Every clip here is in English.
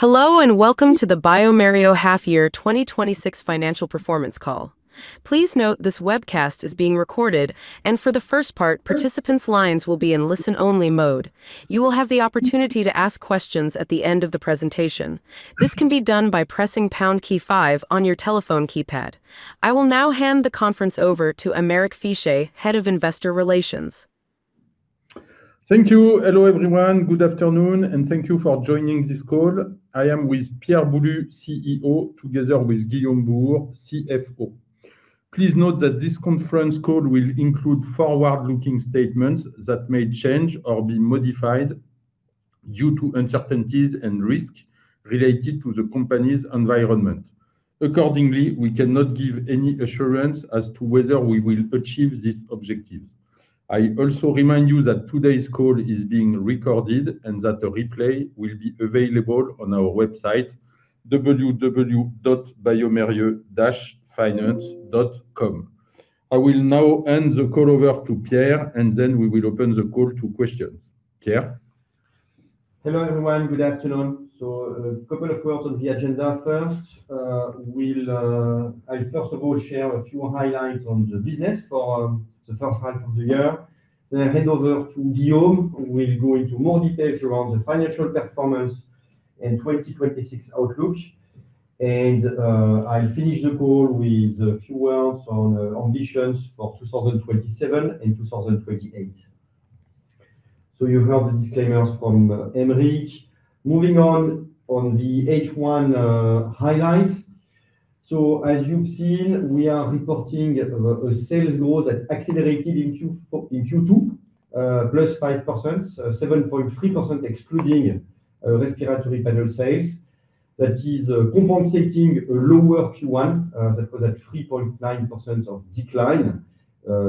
Hello, welcome to the bioMérieux half year 2026 financial performance call. Please note this webcast is being recorded, and for the first part, participants' lines will be in listen-only mode. You will have the opportunity to ask questions at the end of the presentation. This can be done by pressing pound key five on your telephone keypad. I will now hand the conference over to Aymeric Fichet, Head of Investor Relations. Thank you. Hello, everyone. Good afternoon, thank you for joining this call. I am with Pierre Boulud, CEO, together with Guillaume Bouhours, CFO. Please note that this conference call will include forward-looking statements that may change or be modified due to uncertainties and risks related to the company's environment. Accordingly, we cannot give any assurance as to whether we will achieve these objectives. I also remind you that today's call is being recorded and that a replay will be available on our website, www.biomerieux-finance.com. I will now hand the call over to Pierre, then we will open the call to questions. Pierre? Hello, everyone. Good afternoon. A couple of words on the agenda first. I'll first of all share a few highlights on the business for the first half of the year, then hand over to Guillaume, who will go into more details around the financial performance and 2026 outlook. I'll finish the call with a few words on ambitions for 2027 and 2028. You've heard the disclaimers from Aymeric. Moving on the H1 highlights. As you've seen, we are reporting a sales growth that accelerated in Q2, +5%, 7.3% excluding respiratory panel sales. That is compensating a lower Q1 that was at 3.9% of decline,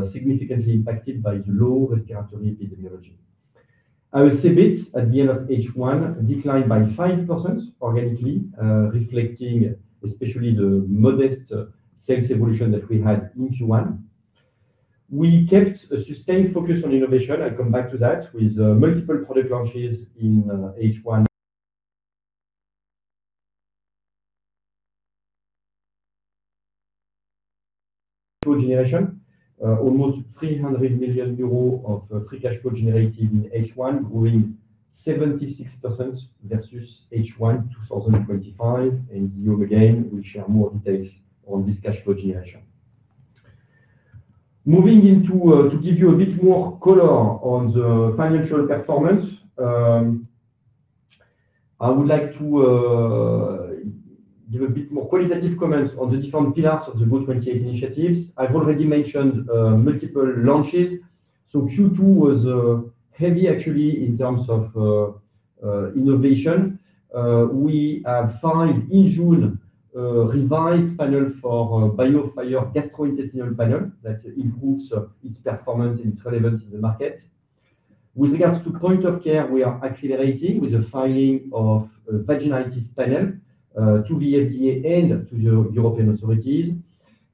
significantly impacted by the low respiratory epidemiology. Our EBIT at the end of H1 declined by 5% organically, reflecting especially the modest sales evolution that we had in Q1. We kept a sustained focus on innovation, I'll come back to that, with multiple product launches in H1. Cash flow generation. Almost 300 million euros of free cash flow generated in H1, growing 76% versus H1 2025. Guillaume, again, will share more details on this cash flow generation. To give you a bit more color on the financial performance, I would like to give a bit more qualitative comments on the different pillars of the GO•28 initiatives. I've already mentioned multiple launches. Q2 was heavy actually in terms of innovation. We have filed in June a revised panel for BIOFIRE Gastrointestinal Panel that improves its performance and its relevance in the market. With regards to point of care, we are accelerating with the filing of Vaginitis Panel, to the FDA and to the European authorities.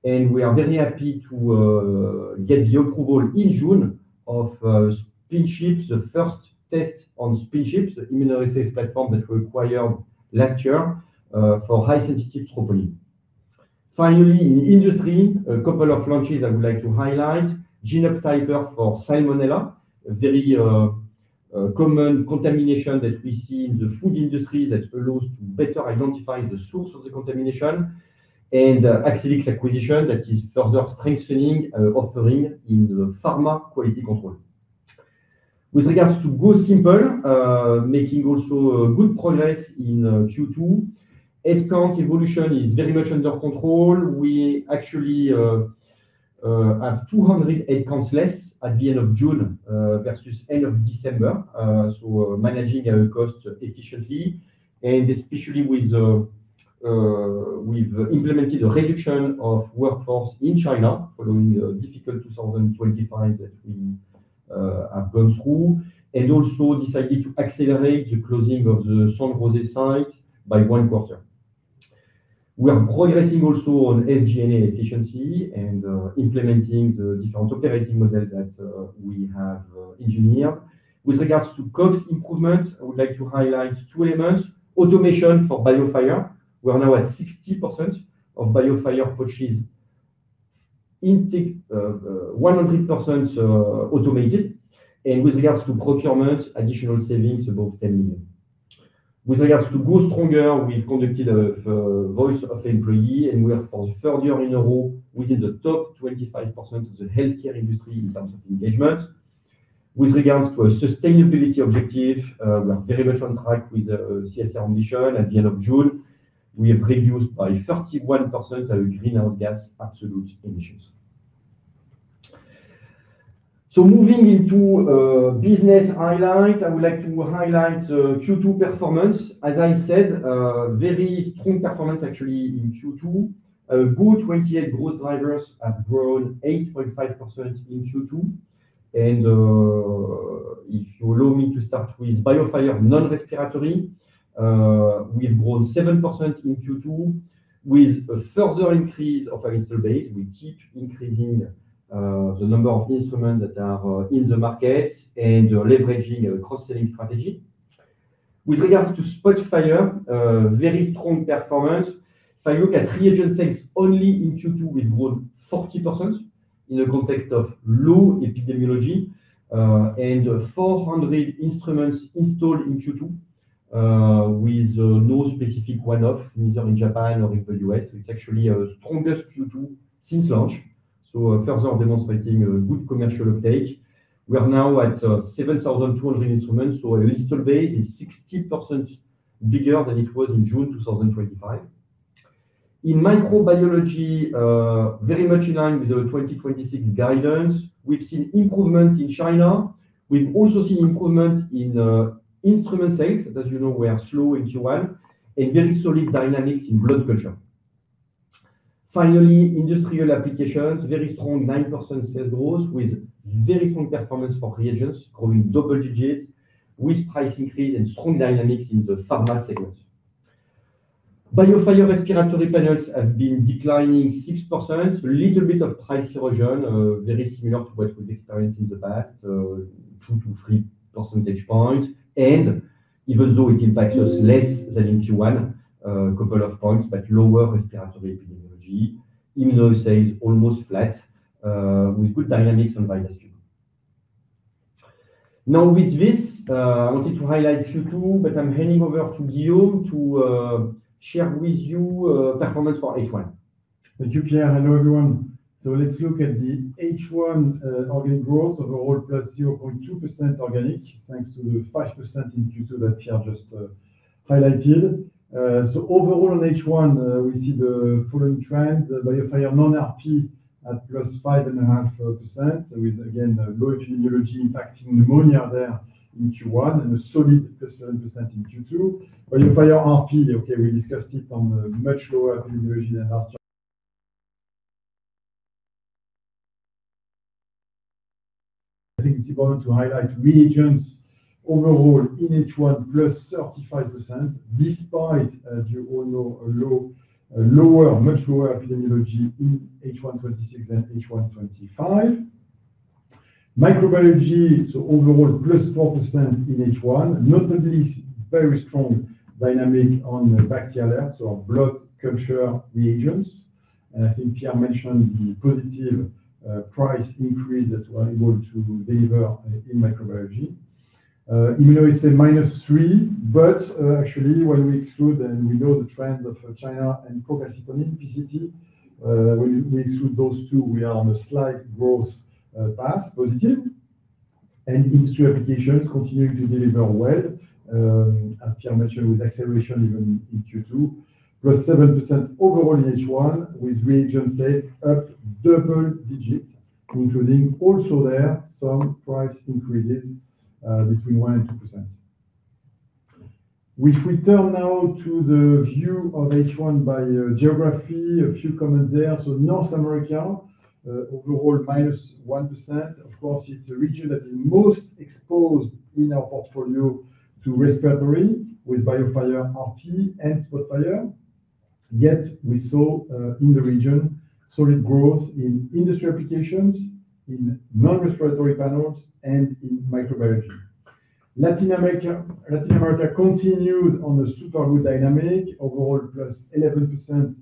We are very happy to get the approval in June of SPINCHIP, the first test on SPINCHIP, the immunoassays platform that we acquired last year, for high sensitive troponin. Finally, in industry, a couple of launches I would like to highlight. GENE-UP TYPER for Salmonella, a very common contamination that we see in the food industry that allows to better identify the source of the contamination. Accellix acquisition that is further strengthening our offering in pharma quality control. With regards to GO•Simple, making also good progress in Q2. Headcount evolution is very much under control. We actually have 200 headcounts less at the end of June versus end of December, so managing our cost efficiently. Especially, we've implemented a reduction of workforce in China following a difficult 2025 that we have gone through. Also decided to accelerate the closing of the Saint-Rosend site by one quarter. We are progressing also on SG&A efficiency and implementing the different operating model that we have engineered. With regards to COGS improvement, I would like to highlight two elements. Automation for BIOFIRE. We are now at 60% of BIOFIRE purchase intake, 100% automated. With regards to procurement, additional savings above EUR 10 million. With regards to Grow Stronger, we've conducted a voice of employee, and we are for the third year in a row within the top 25% of the healthcare industry in terms of engagement. With regards to our sustainability objective, we are very much on track with CSR ambition. At the end of June, we have reduced by 31% our greenhouse gas absolute emissions. Moving into business highlights, I would like to highlight Q2 performance. As I said, very strong performance actually in Q2. GO•28 growth drivers have grown 8.5% in Q2. If you allow me to start with BIOFIRE non-respiratory, we've grown 7% in Q2 with a further increase of our install base. We keep increasing the number of instruments that are in the market and leveraging a cross-selling strategy. With regards to SPOTFIRE, very strong performance. If I look at reagent sales only in Q2, we've grown 40% in the context of low epidemiology, and 400 instruments installed in Q2 with no specific one-off, neither in Japan nor in the U.S. So it's actually our strongest Q2 since launch, first of demonstrating a good commercial uptake. We are now at 7,200 instruments, so our install base is 60% bigger than it was in June 2025. In microbiology, very much in line with our 2026 guidance. We've seen improvements in China. We've also seen improvements in instrument sales that you know were slow in Q1, and very solid dynamics in blood culture. Finally, industrial applications, very strong, 9% sales growth with very strong performance for reagents, growing double digits with price increase and strong dynamics in the pharma segment. BIOFIRE respiratory panels have been declining 6%, little bit of price erosion, very similar to what we've experienced in the past, 2 percentage points-3 percentage points. Even though it impacts us less than in Q1, a couple of points, but lower respiratory epidemiology. Immunoassay is almost flat, with good dynamics on Virus Guru. With this, I wanted to highlight Q2, but I'm handing over to Guillaume to share with you performance for H1. Thank you, Pierre. Hello, everyone. Let's look at the H1 organic growth overall, +0.2% organic, thanks to the 5% in Q2 that Pierre just highlighted. Overall on H1, we see the following trends. BIOFIRE non-RP at +5.5% with, again, low epidemiology impacting pneumonia there in Q1 and a solid percent in Q2. BIOFIRE RP, okay, we discussed it on much lower epidemiology than last year. I think it's important to highlight reagents overall in H1 +35%, despite, as you all know, a much lower epidemiology in H1 2026 than H1 2025. Microbiology, overall, +4% in H1. Notably, very strong dynamic on BACT/ALERT, our blood culture reagents. I think Pierre mentioned the positive price increase that we are able to deliver in microbiology. Immunoassay -3%, actually when we exclude, we know the trends of China and COVID-19 PCT, when we exclude those two, we are on a slight growth path, positive. Industry applications continuing to deliver well, as Pierre mentioned, with acceleration even in Q2. +7% overall in H1, with reagent sales up double-digit, including also there some price increases between 1% and 2%. If we turn now to the view of H1 by geography, a few comments there. North America, overall -1%. Of course, it's a region that is most exposed in our portfolio to respiratory with BIOFIRE RP and SPOTFIRE. Yet we saw, in the region, solid growth in industry applications, in non-respiratory panels, and in microbiology. Latin America continued on a super good dynamic, overall +11%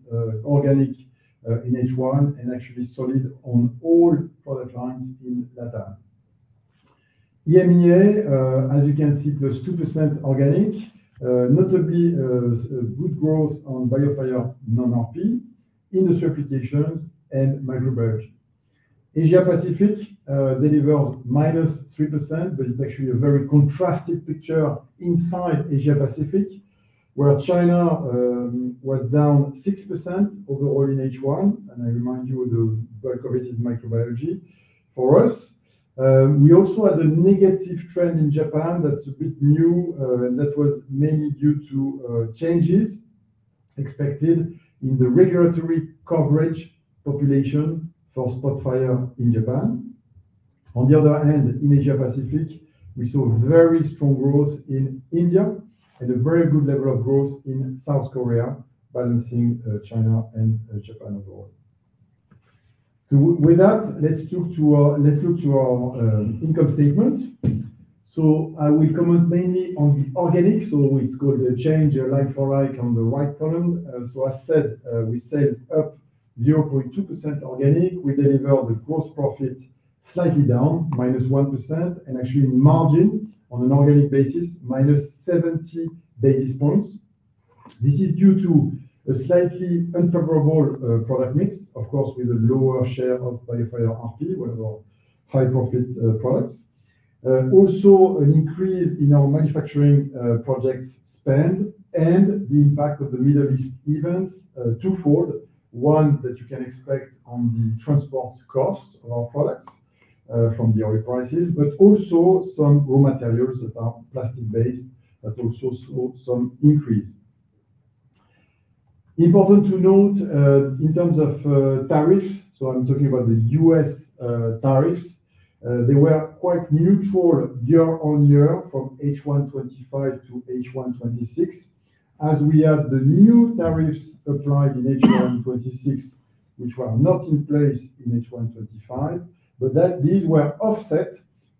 organic in H1, actually solid on all product lines in LATAM. EMEA, as you can see, +2% organic. Notably, good growth on BIOFIRE non-RP, industry applications, and microbiology. Asia-Pacific delivers -3%, actually a very contrasted picture inside Asia-Pacific, where China was down 6% overall in H1. I remind you of the work of its microbiology for us. We also had a negative trend in Japan that's a bit new, that was mainly due to changes expected in the regulatory coverage population for SPOTFIRE in Japan. On the other hand, in Asia-Pacific, we saw very strong growth in India and a very good level of growth in South Korea, balancing China and Japan overall. With that, let's look to our income statement. I will comment mainly on the organic. It's called a change like for like on the right column. As said, we said up 0.2% organic. We delivered the gross profit slightly down -1%, actually margin on an organic basis, -70 basis points. This is due to a slightly unfavorable product mix, of course, with a lower share of BIOFIRE RP, one of our high-profit products. Also an increase in our manufacturing projects spend and the impact of the Middle East events twofold. One that you can expect on the transport cost of our products from the oil prices, also some raw materials that are plastic-based that also saw some increase. Important to note, in terms of tariffs, I'm talking about the U.S. tariffs, they were quite neutral year-on-year from H1 2025 to H1 2026. We have the new tariffs applied in H1 2026, which were not in place in H1 2026, but these were offset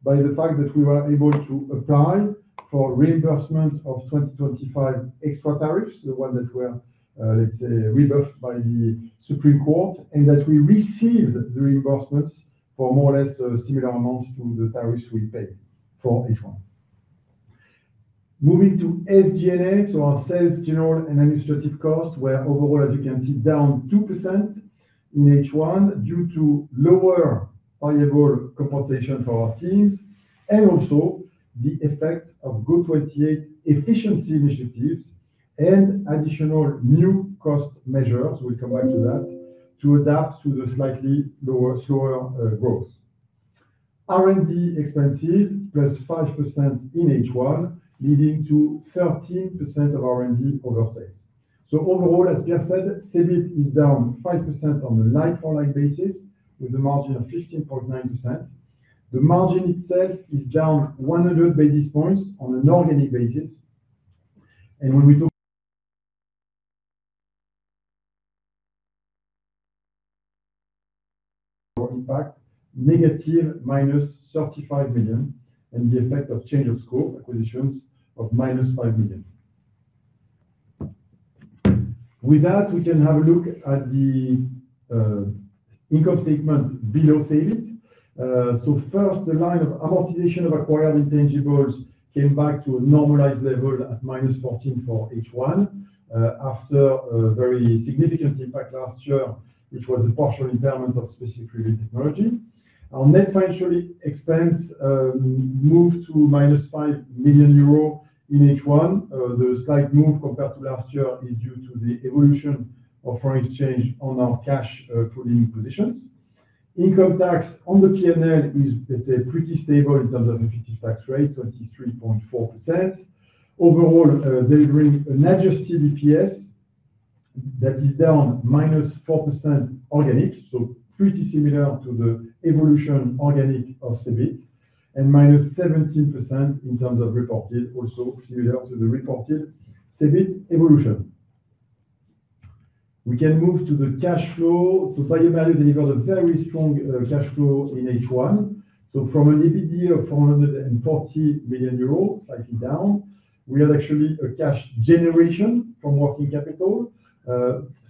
by the fact that we were able to apply for reimbursement of 2025 extra tariffs, the ones that were, let's say, rebuffed by the Supreme Court, and that we received the reimbursements for more or less similar amounts to the tariffs we pay for H1. Moving to SG&A, our sales, general, and administrative costs were overall, as you can see, down 2% in H1 due to lower variable compensation for our teams and also the effect of GO•28 efficiency initiatives and additional new cost measures, we'll come back to that, to adapt to the slightly lower slower growth. R&D expenses were +5% in H1, leading to 13% of R&D over sales. Overall, as Pierre said, EBIT is down 5% on a like-for-like basis with a margin of 15.9%. The margin itself is down 100 basis points on an organic basis. For impact, -35 million, and the effect of change of scope acquisitions of -5 million. With that, we can have a look at the income statement below EBIT. First, the line of amortization of acquired intangibles came back to a normalized level at -14 million for H1, after a very significant impact last year, which was a partial impairment of specific related technology. Our net financial expense moved to -5 million euro in H1. The slight move compared to last year is due to the evolution of foreign exchange on our cash pooling positions. Income tax on the P&L is, let's say, pretty stable in terms of effective tax rate, 23.4%. Overall, delivering an adjusted EPS that is down -4% organic, pretty similar to the evolution organic of EBIT, and -17% in terms of reported, also similar to the reported EBIT evolution. We can move to the cash flow. bioMérieux delivers a very strong cash flow in H1. From an EBITDA of 440 million euros, slightly down, we had actually a cash generation from working capital,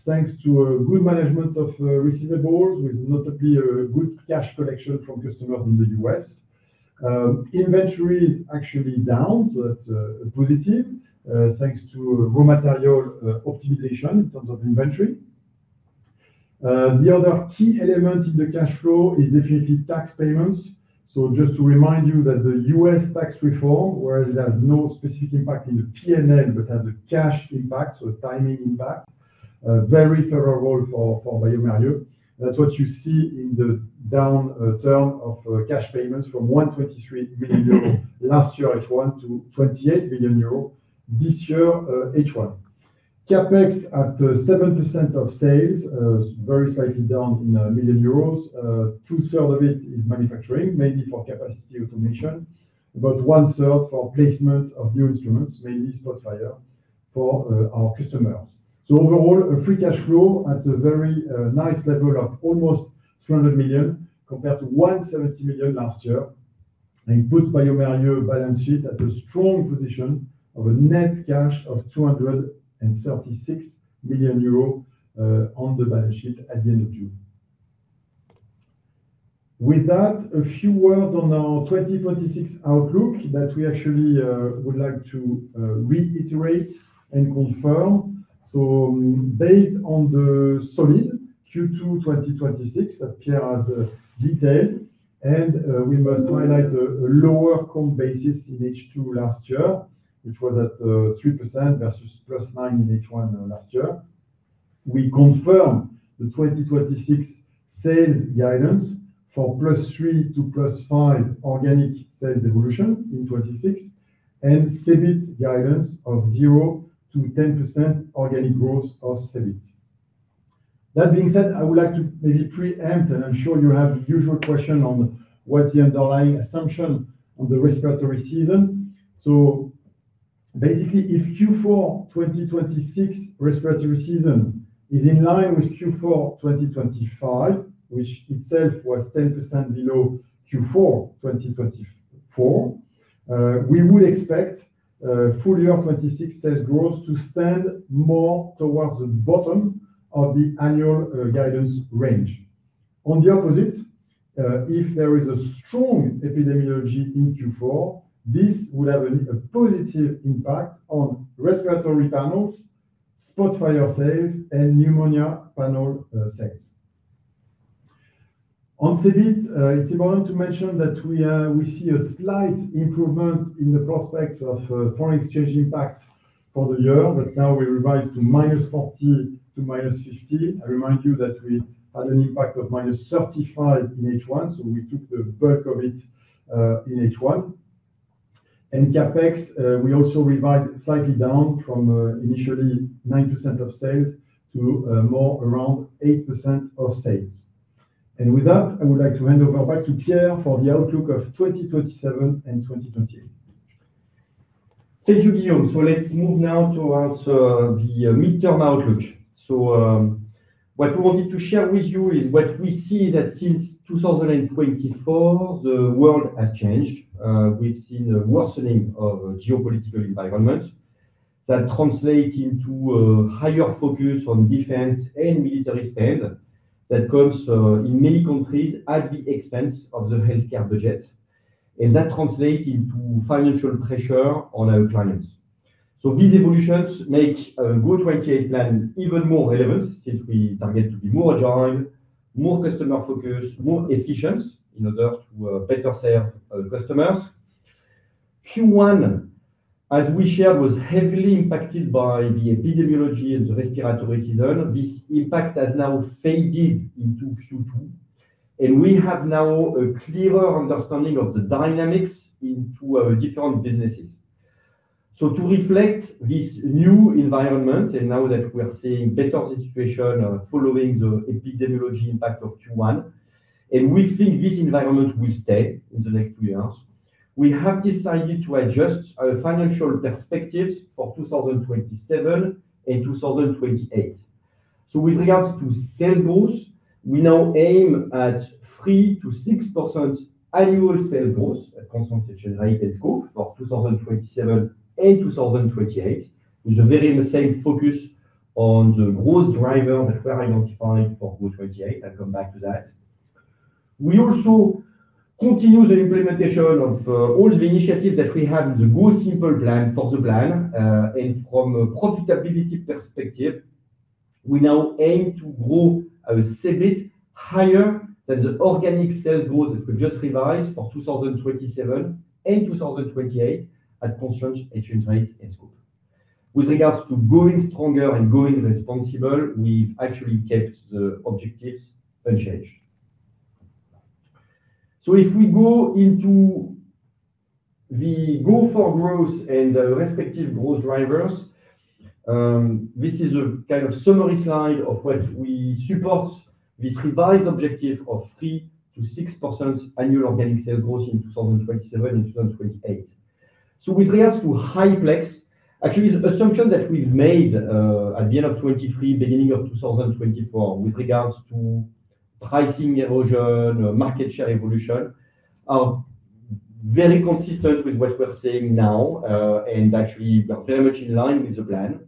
thanks to a good management of receivables, with notably a good cash collection from customers in the U.S. Inventory is actually down, that's positive, thanks to raw material optimization in terms of inventory. The other key element in the cash flow is definitely tax payments. Just to remind you that the U.S. tax reform, where it has no specific impact in the P&L but has a cash impact, a timing impact, very favorable for bioMérieux. That's what you see in the downturn of cash payments from 123 million euros last year H1 to 28 million euros this year H1. CapEx at 7% of sales, very slightly down in million euros. Two-thirds of it is manufacturing, mainly for capacity automation, but one-third for placement of new instruments, mainly SPOTFIRE for our customers. Overall, a free cash flow at a very nice level of almost 300 million compared to 170 million last year and puts bioMérieux balance sheet at a strong position of a net cash of 236 million euros on the balance sheet at the end of June. With that, a few words on our 2026 outlook that we actually would like to reiterate and confirm. Based on the solid Q2 2026 that Pierre has detailed, we must highlight a lower comp basis in H2 last year, which was at 3% versus +9% in H1 last year. We confirm the 2026 sales guidance for +3% to +5% organic sales evolution in 2026, and EBIT guidance of 0%-10% organic growth of EBIT. That being said, I would like to maybe preempt, and I'm sure you have the usual question on what's the underlying assumption on the respiratory season. Basically, if Q4 2026 respiratory season is in line with Q4 2025, which itself was 10% below Q4 2024, we would expect full year 2026 sales growth to stand more towards the bottom of the annual guidance range. On the opposite, if there is a strong epidemiology in Q4, this would have a positive impact on respiratory panels, SPOTFIRE sales, and pneumonia panel sales. On EBIT, it's important to mention that we see a slight improvement in the prospects of foreign exchange impact for the year, but now we revise to -40 to -50. I remind you that we had an impact of -35 in H1. We took the bulk of it in H1. CapEx, we also revised slightly down from initially 9% of sales to more around 8% of sales. With that, I would like to hand over back to Pierre for the outlook of 2027 and 2028. Thank you, Guillaume. Let's move now towards the midterm outlook. What we wanted to share with you is what we see is that since 2024, the world has changed. We've seen a worsening of geopolitical environment that translates into a higher focus on defense and military spend. That comes in many countries at the expense of the healthcare budget, and that translates into financial pressure on our clients. These evolutions make a good GO•28 plan even more relevant since we target to be more agile, more customer-focused, more efficient in order to better serve our customers. Q1, as we shared, was heavily impacted by the epidemiology and the respiratory season. This impact has now faded into Q2. We have now a clearer understanding of the dynamics into our different businesses. To reflect this new environment, now that we are seeing better situation following the epidemiology impact of Q1, we think this environment will stay in the next three years. We have decided to adjust our financial perspectives for 2027 and 2028. With regards to sales growth, we now aim at 3%-6% annual sales growth at constant exchange rate and scope for 2027 and 2028, with the very same focus on the growth driver that we are identifying for GO•28. I'll come back to that. We also continue the implementation of all the initiatives that we had in the GO•Simple plan for the plan. From a profitability perspective, we now aim to grow a bit higher than the organic sales growth that we've just revised for 2027 and 2028 at constant exchange rate and scope. With regards to Grow Stronger and growing responsible, we've actually kept the objectives unchanged. If we go into the go for growth and respective growth drivers, this is a kind of summary slide of what we support this revised objective of 3%-6% annual organic sales growth in 2027 and 2028. With regards to high-plex, actually the assumption that we've made, at the end of 2023, beginning of 2024, with regards to pricing erosion, market share evolution, are very consistent with what we're saying now, and actually they're very much in line with the plan.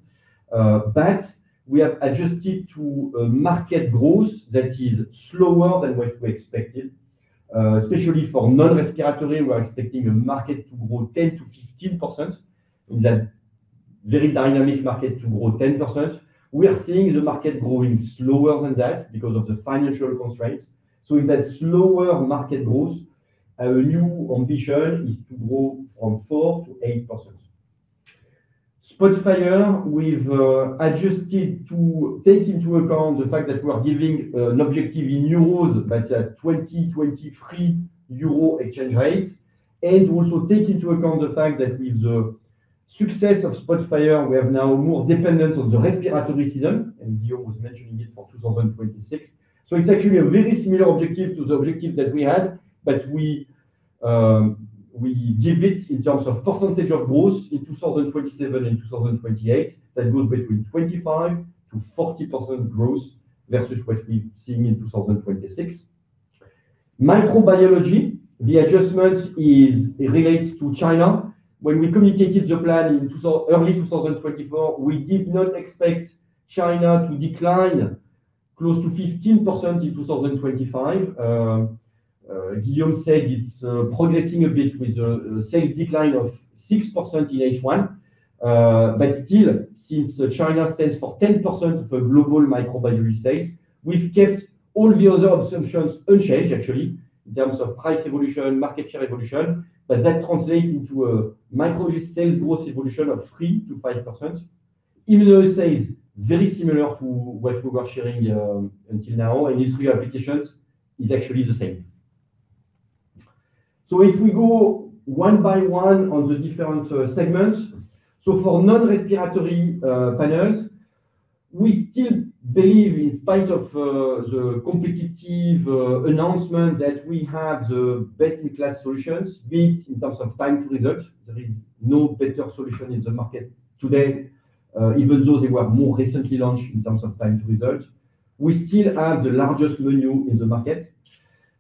We have adjusted to a market growth that is slower than what we expected. Especially for non-respiratory, we're expecting a market to grow 10%-15%, in that very dynamic market to grow 10%. We are seeing the market growing slower than that because of the financial constraints. In that slower market growth, our new ambition is to grow from 4%-8%. SPOTFIRE, we've adjusted to take into account the fact that we are giving an objective in euros, but at 2023 euro exchange rate, and also take into account the fact that with the success of SPOTFIRE, we are now more dependent on the respiratory season, and Guillaume was mentioning it for 2026. It's actually a very similar objective to the objective that we had, but we give it in terms of percentage of growth in 2027 and 2028. That goes between 25%-40% growth versus what we've seen in 2026. Microbiology, the adjustment relates to China. When we communicated the plan in early 2024, we did not expect China to decline close to 15% in 2025. Guillaume said it's progressing a bit with a sales decline of 6% in H1. Still, since China stands for 10% of global microbiology sales, we've kept all the other assumptions unchanged actually, in terms of price evolution, market share evolution, but that translates into a microbiology sales growth evolution of 3%-5%, even though it stays very similar to what we were sharing until now, and its reapplications is actually the same. If we go one by one on the different segments, for non-respiratory panels, we still believe in spite of the competitive announcement that we have the best-in-class solutions, be it in terms of time to result. There is no better solution in the market today, even though they were more recently launched in terms of time to result. We still have the largest menu in the market.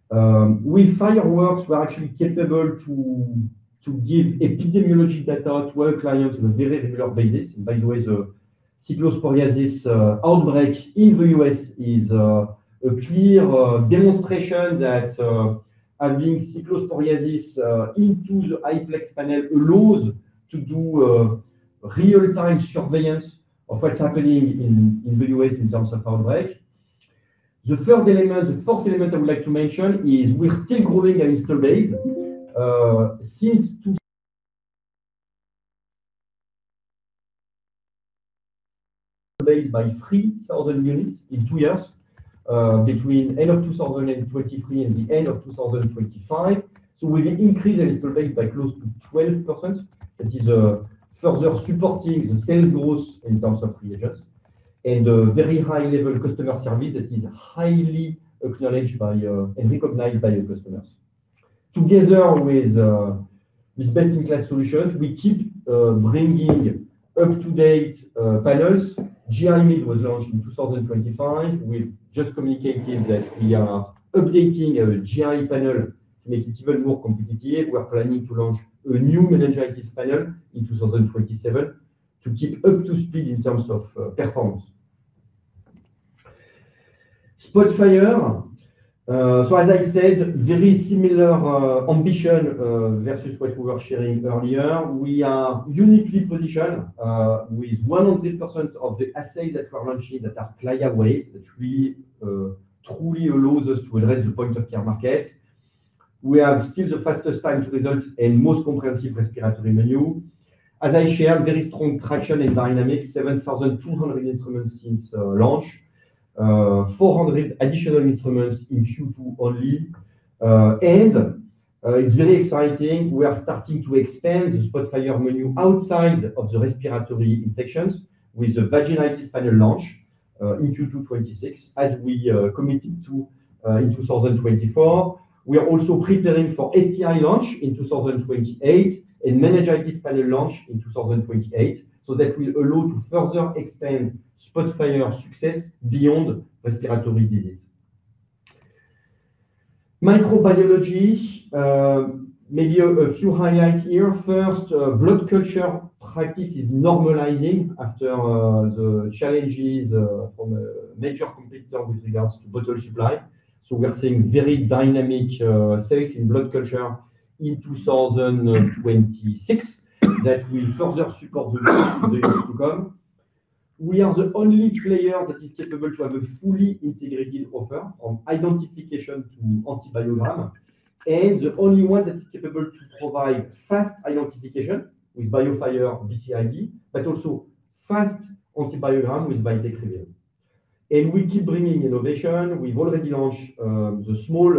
With BIOFIRE FIREWORKS, we're actually capable to give epidemiology data to our clients on a very regular basis. By the way, the Cyclosporiasis outbreak in the U.S. is a clear demonstration that having Cyclosporiasis into the high-plex panel allows to do real-time surveillance of what's happening in the U.S. in terms of outbreak. The fourth element I would like to mention is we're still growing our installer base. Since two base by 3,000 units in two years, between end of 2023 and the end of 2025. We increased the install base by close to 12%, that is further supporting the sales growth in terms of reagents. Very high-level customer service that is highly acknowledged by and recognized by the customers. Together with these best-in-class solutions, we keep bringing up-to-date panels. GI Mid was launched in 2025. We've just communicated that we are updating a GI Panel Mid to make it even more competitive. We're planning to launch a new meningitis panel in 2027 to keep up to speed in terms of performance. SPOTFIRE. As I said, very similar ambition versus what we were sharing earlier. We are uniquely positioned with 100% of the assays that were launched here that are CLIA-waived, which really truly allows us to address the point-of-care market. We have still the fastest time to results and most comprehensive respiratory menu. As I shared, very strong traction and dynamic. 7,200 instruments since launch. 400 additional instruments in Q2 only. It's very exciting. We are starting to expand the SPOTFIRE menu outside of the respiratory infections with the Vaginitis Panel launch in Q2 2026, as we committed to in 2024. We are also preparing for STI launch in 2028 and meningitis panel launch in 2028. That will allow to further expand SPOTFIRE success beyond respiratory disease. Microbiology. Maybe a few highlights here. First, blood culture practice is normalizing after the challenges from a major competitor with regards to bottle supply. We are seeing very dynamic sales in blood culture in 2026 that will further support the growth in the years to come. We are the only player that is capable to have a fully integrated offer from identification to antibiogram, and the only one that is capable to provide fast identification with BIOFIRE BCID, but also fast antibiogram with VITEK REVEAL. We keep bringing innovation. We've already launched the small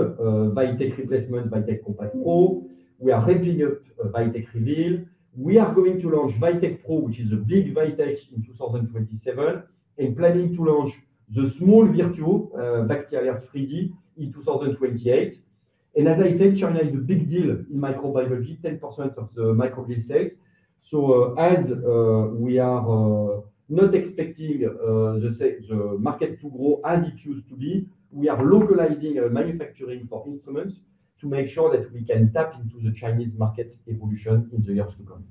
VITEK replacement, VITEK COMPACT PRO. We are ramping up VITEK REVEAL. We are going to launch VITEK PRO, which is a big VITEK in 2027, and planning to launch the small BACT/ALERT VIRTUO in 2028. As I said, China is a big deal in microbiology, 10% of the microbiology sales. As we are not expecting the market to grow as it used to be, we are localizing manufacturing for instruments to make sure that we can tap into the Chinese market evolution in the years to come.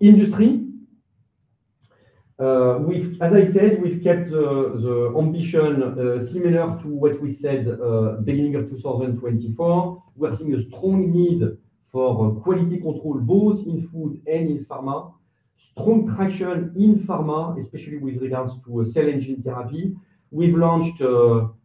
Industry. As I said, we've kept the ambition similar to what we said beginning of 2024. We are seeing a strong need for quality control, both in food and in pharma. Strong traction in pharma, especially with regards to cell and gene therapy. We've launched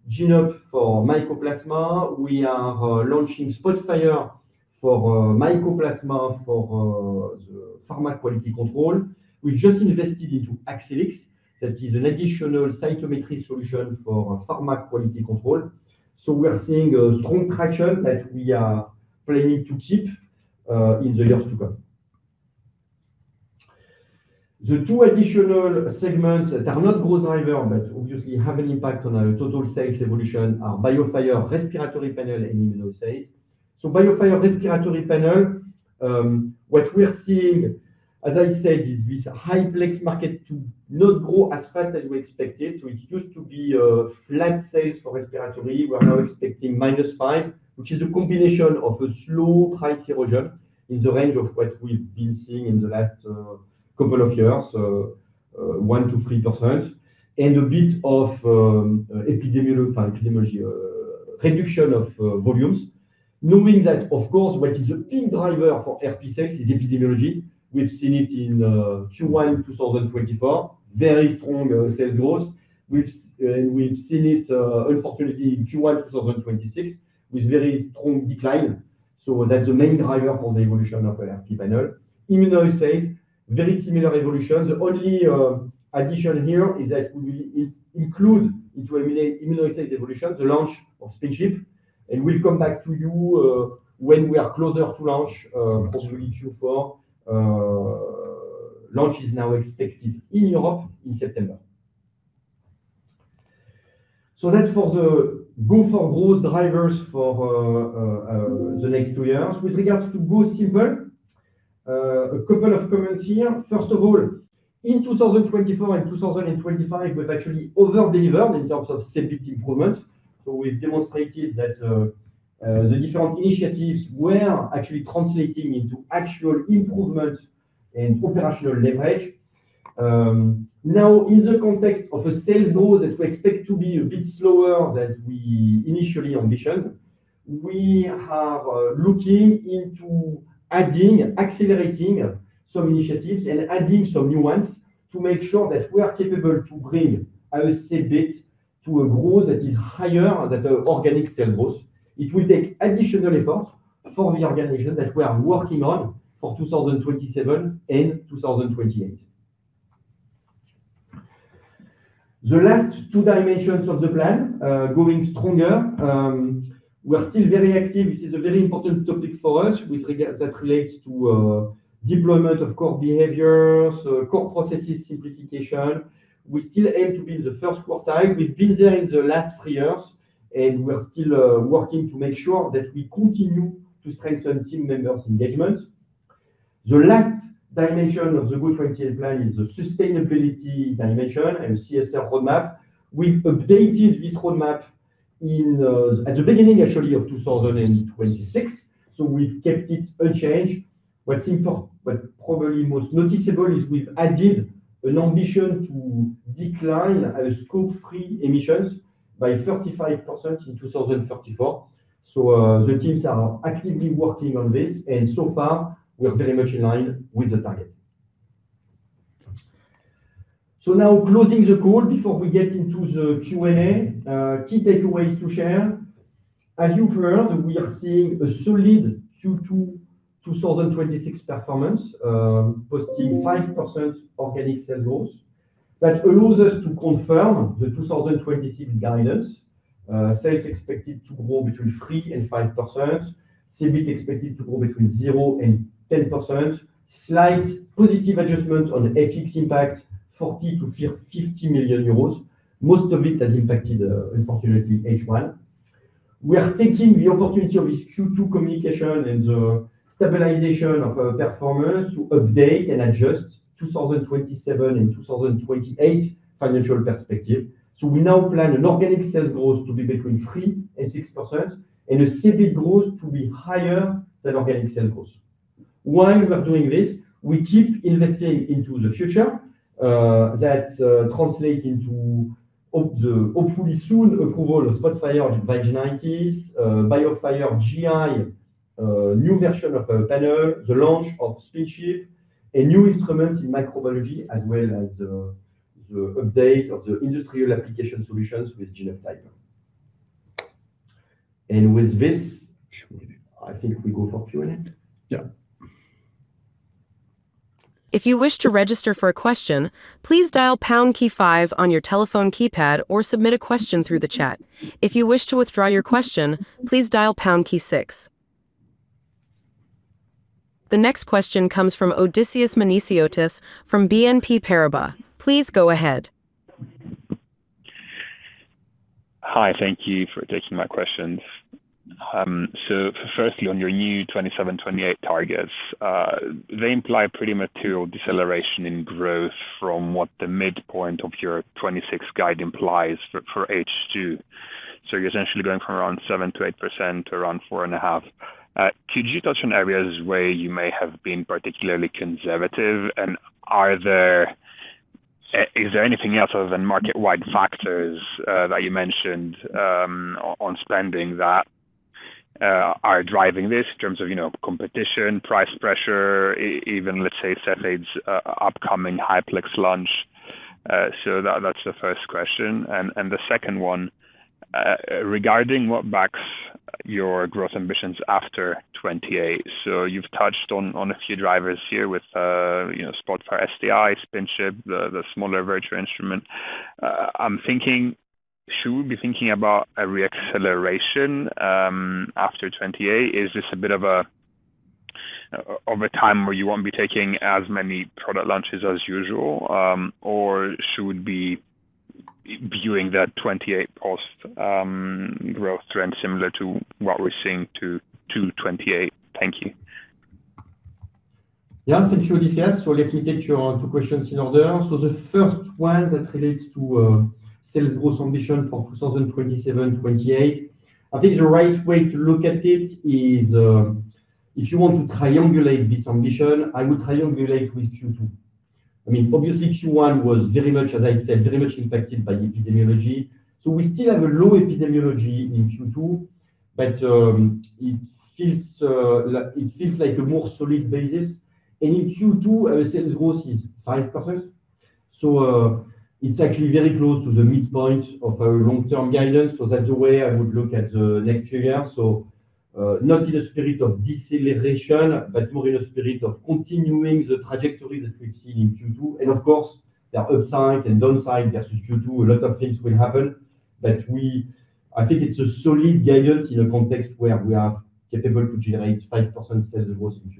GENE-UP for Mycoplasma. We are launching SPOTFIRE for Mycoplasma for the pharma quality control. We've just invested into Accellix. That is an additional cytometry solution for pharma quality control. We are seeing a strong traction that we are planning to keep in the years to come. The two additional segments that are not growth driver, but obviously have an impact on our total sales evolution are BIOFIRE respiratory panel and immunoassays. BIOFIRE respiratory panel, what we are seeing, as I said, is this high-plex market to not grow as fast as we expected. It used to be a flat sales for respiratory. We are now expecting -5%, which is a combination of a slow price erosion in the range of what we've been seeing in the last couple of years, 1%-3%, and a bit of epidemiology—reduction of volumes. Knowing that, of course, what is the main driver for RP sales is epidemiology. We've seen it in Q1 2024, very strong sales growth. We've seen it, unfortunately, in Q1 2026, with very strong decline. That's the main driver for the evolution of RP panel. Immunoassays, very similar evolution. The only addition here is that we include into immunoassay evolution, the launch of SPINCHIP, and we'll come back to you when we are closer to launch, possibly Q4. Launch is now expected in Europe in September. That's for the go-for-growth drivers for the next two years. With regards to GO•Simple, a couple of comments here. First of all, in 2024 and 2025, we've actually over-delivered in terms of CEBIT improvement. We've demonstrated that the different initiatives were actually translating into actual improvement and operational leverage. In the context of a sales growth that we expect to be a bit slower than we initially ambitioned, we are looking into adding, accelerating some initiatives, and adding some new ones to make sure that we are capable to bring a CEBIT to a growth that is higher than organic sales growth. It will take additional effort for the organization that we are working on for 2027 and 2028. The last two dimensions of the plan, Grow Stronger. We are still very active. This is a very important topic for us that relates to deployment of core behaviors, core processes, simplification. We still aim to be in the first quartile. We've been there in the last three years, and we're still working to make sure that we continue to strengthen team members' engagement. The last dimension of the GO•28 plan is the sustainability dimension and CSR roadmap. We've updated this roadmap at the beginning, actually, of 2026. We've kept it unchanged. What's probably most noticeable is we've added an ambition to decline our Scope 3 emissions by 35% in 2034. The teams are actively working on this, and so far, we are very much in line with the target. Closing the call before we get into the Q&A. Key takeaways to share. As you've heard, we are seeing a solid Q2 2026 performance, posting 5% organic sales growth. That allows us to confirm the 2026 guidance. Sales expected to grow between 3%-5%. CEBIT expected to grow between 0% and 10%. Slight positive adjustment on FX impact, 40 million-50 million euros. Most of it has impacted, unfortunately, H1. We are taking the opportunity of this Q2 communication and the stabilization of our performance to update and adjust 2027 and 2028 financial perspective. We now plan an organic sales growth to be between 3%-6%, and a CEBIT growth to be higher than organic sales growth. While we are doing this, we keep investing into the future. That translates into the hopefully soon approval of SPOTFIRE Vaginitis, BIOFIRE GI, a new version of Panel, the launch of SPINCHIP, and new instruments in microbiology as well as the update of the industrial application solutions with GENE-UP TYPER. With this, I think we go for Q&A. Yeah. If you wish to register for a question, please dial pound key five on your telephone keypad or submit a question through the chat. If you wish to withdraw your question, please dial pound key six. The next question comes from Odysseas Manasiotis from BNP Paribas. Please go ahead. Hi. Thank you for taking my questions. Firstly, on your new 2027, 2028 targets, they imply pretty material deceleration in growth from what the midpoint of your 2026 guide implies for H2. You're essentially going from around 7%-8% to around 4.5%. Could you touch on areas where you may have been particularly conservative, and is there anything else other than market-wide factors that you mentioned on spending that are driving this in terms of competition, price pressure, even, let's say, Cepheid's upcoming high-plex launch? That's the first question. The second one, regarding what backs your growth ambitions after 2028. You've touched on a few drivers here with SPOTFIRE SDI, SPINCHIP, the smaller virtual instrument. Should we be thinking about a re-acceleration after 2028? Is this a bit of a time where you won't be taking as many product launches as usual, or should we be viewing that 2028 post growth trend similar to what we're seeing to 2028? Thank you. Thank you, Odysseas. Let me take your two questions in order. The first one that relates to sales growth ambition for 2027, 2028. I think the right way to look at it is, if you want to triangulate this ambition, I would triangulate with Q2. Obviously Q1 was, as I said, very much impacted by epidemiology. We still have a low epidemiology in Q2, but it feels like a more solid basis. In Q2, our sales growth is 5%. It's actually very close to the midpoint of our long-term guidance. That's the way I would look at the next few years. Not in a spirit of deceleration, but more in a spirit of continuing the trajectory that we've seen in Q2. Of course, there are upsides and downsides versus Q2. A lot of things will happen. I think it's a solid guidance in a context where we are capable to generate 5% sales growth in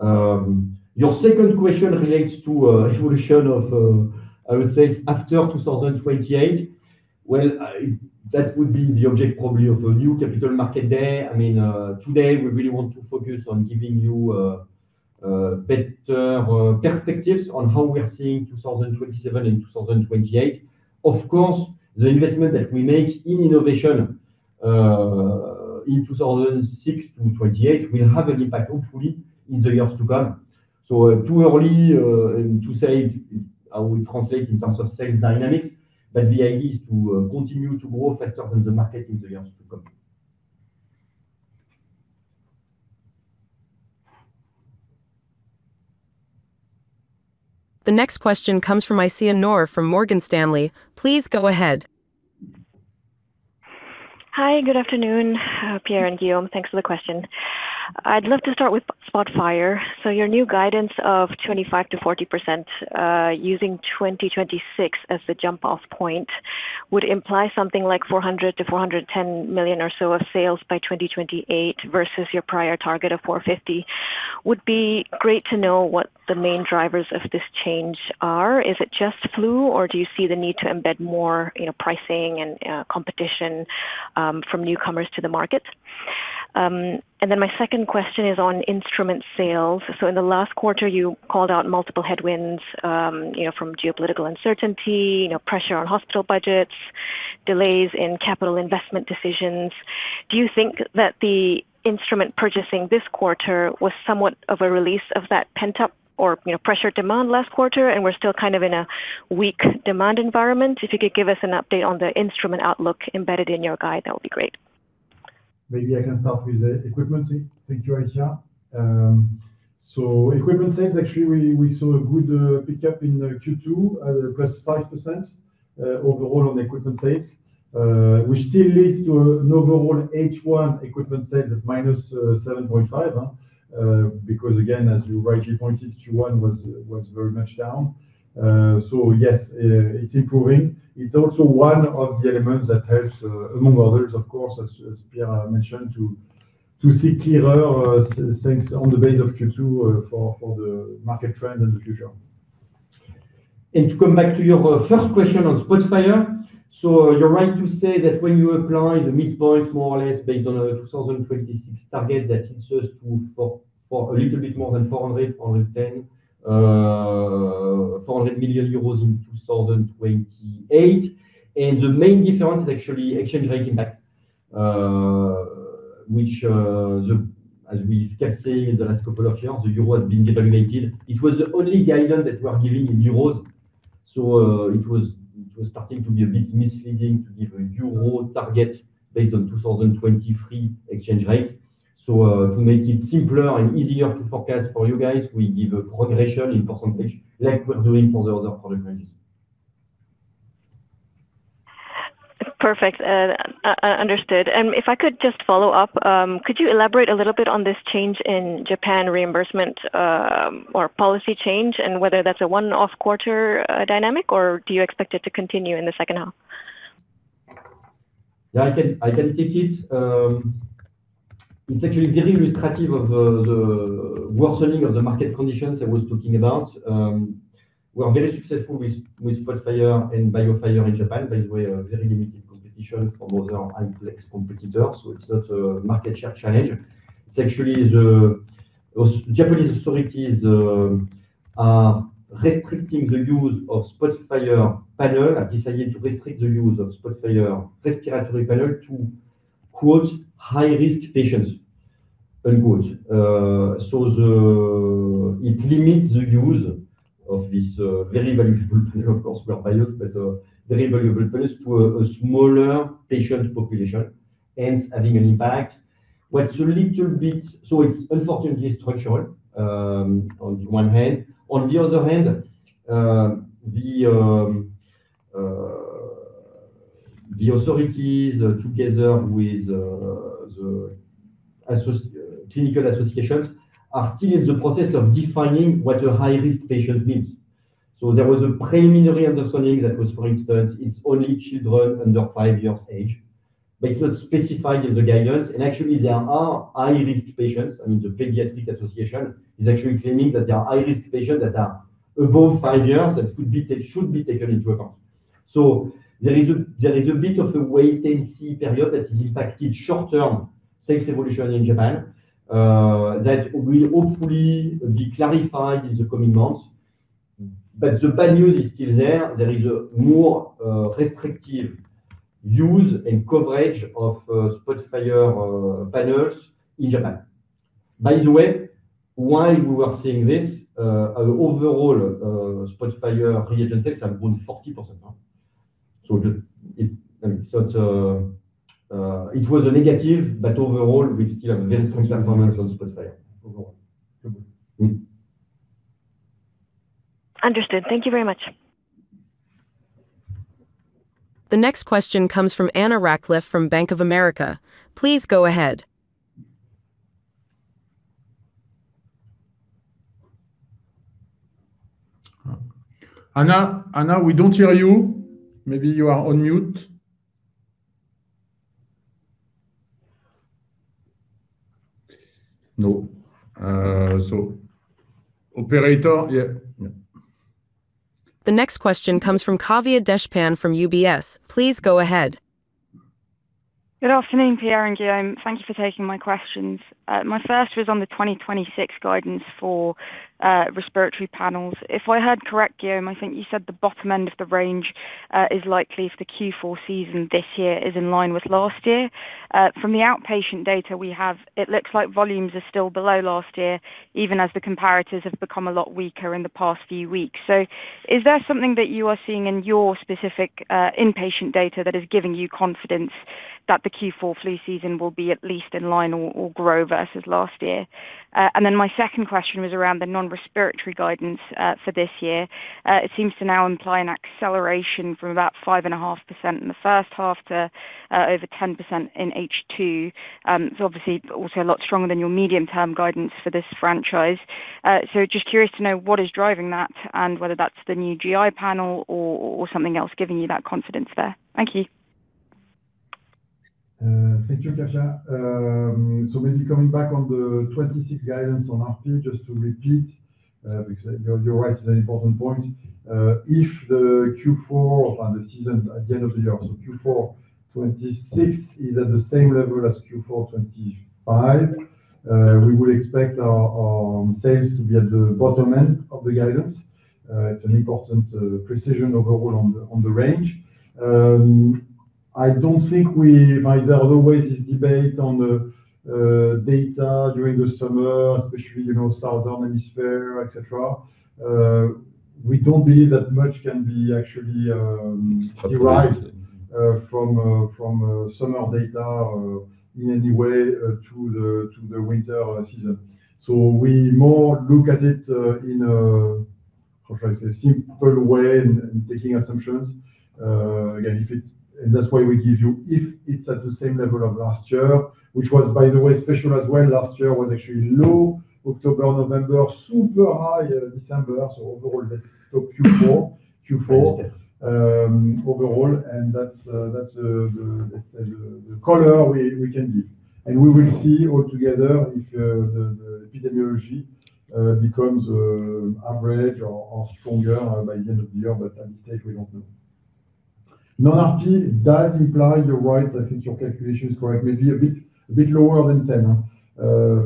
Q2. Your second question relates to evolution of our sales after 2028. That would be the object probably of a new capital market day. Today, we really want to focus on giving you better perspectives on how we are seeing 2027 and 2028. Of course, the investment that we make in innovation in 2006-2028 will have an impact, hopefully, in the years to come. Too early to say how we translate in terms of sales dynamics, but the idea is to continue to grow faster than the market in the years to come. The next question comes from Aisyah Noor from Morgan Stanley. Please go ahead. Hi. Good afternoon, Pierre and Guillaume. Thanks for the question. I'd love to start with SPOTFIRE. Your new guidance of 25%-40%, using 2026 as the jump-off point, would imply something like 400 million-410 million or so of sales by 2028 versus your prior target of 450 million. Would be great to know what the main drivers of this change are. Is it just flu, or do you see the need to embed more pricing and competition from newcomers to the market? My second question is on instrument sales. In the last quarter, you called out multiple headwinds from geopolitical uncertainty, pressure on hospital budgets, delays in capital investment decisions. Do you think that the instrument purchasing this quarter was somewhat of a release of that pent-up or pressure demand last quarter, and we're still kind of in a weak demand environment? If you could give us an update on the instrument outlook embedded in your guide, that would be great. Maybe I can start with the equipment sales. Thank you, Aisyah. Equipment sales, actually, we saw a good pickup in Q2 at +5% overall on equipment sales, which still leads to an overall H1 equipment sales at -7.5%. Again, as you rightly pointed, Q1 was very much down. Yes, it's improving. It's also one of the elements that helps, among others, of course, as Pierre mentioned, to see clearer things on the base of Q2 for the market trend in the future. To come back to your first question on SPOTFIRE. You're right to say that when you apply the midpoint more or less based on a 2026 target, that it serves to for a little bit more than 400 million euros, 410 million, 400 million euros in 2028. The main difference is actually exchange rate impact, which as we kept saying in the last couple of years, the euros has been devaluated. It was the only guidance that we are giving in euros. It was starting to be a bit misleading to give a euro target based on 2023 exchange rates. To make it simpler and easier to forecast for you guys, we give a progression in percentage like we're doing for the other product ranges. Perfect. Understood. If I could just follow up, could you elaborate a little bit on this change in Japan reimbursement, or policy change and whether that's a one-off quarter dynamic, or do you expect it to continue in the second half? I can take it. It's actually very illustrative of the worsening of the market conditions I was talking about. We are very successful with SPOTFIRE and BIOFIRE in Japan. By the way, very limited competition from other high-plex competitors. It's not a market share challenge. It's actually the Japanese authorities are restricting the use of SPOTFIRE panel, have decided to restrict the use of SPOTFIRE respiratory panel to "high-risk patients." It limits the use of this very valuable tool, of course, well bought, but a very valuable place to a smaller patient population, hence having an impact. It's unfortunately structural on one hand. On the other hand, the authorities together with the clinical associations are still in the process of defining what a high-risk patient means. There was a preliminary understanding that was, for instance, it is only children under five years of age, but it is not specified in the guidance. Actually, there are high-risk patients. The pediatric association is actually claiming that there are high-risk patients that are above five years that should be taken into account. There is a bit of a wait-and-see period that is impacted short-term sales evolution in Japan that will hopefully be clarified in the coming months. The bad news is still there. There is a more restrictive use and coverage of SPOTFIRE panels in Japan. While we were seeing this, overall SPOTFIRE reagent sales have grown 40%. It was a negative, but overall, we still have very strong performance on SPOTFIRE overall. Understood. Thank you very much. The next question comes from Anna Rackcliffe from Bank of America. Please go ahead. Anna? Anna, we do not hear you. Maybe you are on mute. No. Operator, yeah. The next question comes from Kavya Deshpande from UBS. Please go ahead. Good afternoon, Pierre and Guillaume. Thank you for taking my questions. My first was on the 2026 guidance for respiratory panels. If I heard correct, Guillaume, I think you said the bottom end of the range is likely if the Q4 season this year is in line with last year. From the outpatient data we have, it looks like volumes are still below last year, even as the comparatives have become a lot weaker in the past few weeks. Is that something that you are seeing in your specific inpatient data that is giving you confidence that the Q4 flu season will be at least in line or grow versus last year. My second question was around the non-respiratory guidance for this year. It seems to now imply an acceleration from about 5.5% in the first half to over 10% in H2. It's obviously also a lot stronger than your medium-term guidance for this franchise. Just curious to know what is driving that and whether that's the new GI panel or something else giving you that confidence there? Thank you. Thank you, Kavya. Maybe coming back on the 2026 guidance on RP, just to repeat, because you're right, it's an important point. If the Q4 or the season at the end of the year, Q4 2026, is at the same level as Q4 2025, we would expect our sales to be at the bottom end of the guidance. It's an important precision overall on the range. I don't think there is always this debate on the data during the summer, especially southern hemisphere, et cetera. We don't believe that much can be actually derived from summer data in any way to the winter season. We more look at it in a, how should I say, simple way and taking assumptions. Again, that's why we give you, if it's at the same level of last year, which was by the way special as well. Last year was actually low October, November, super high December. Overall, that's Q4 overall, and that's the color we can give. We will see altogether if the epidemiology becomes average or stronger by the end of the year. At this stage, we don't know. Non-RP does imply, you're right. I think your calculation is correct. Maybe a bit lower than 10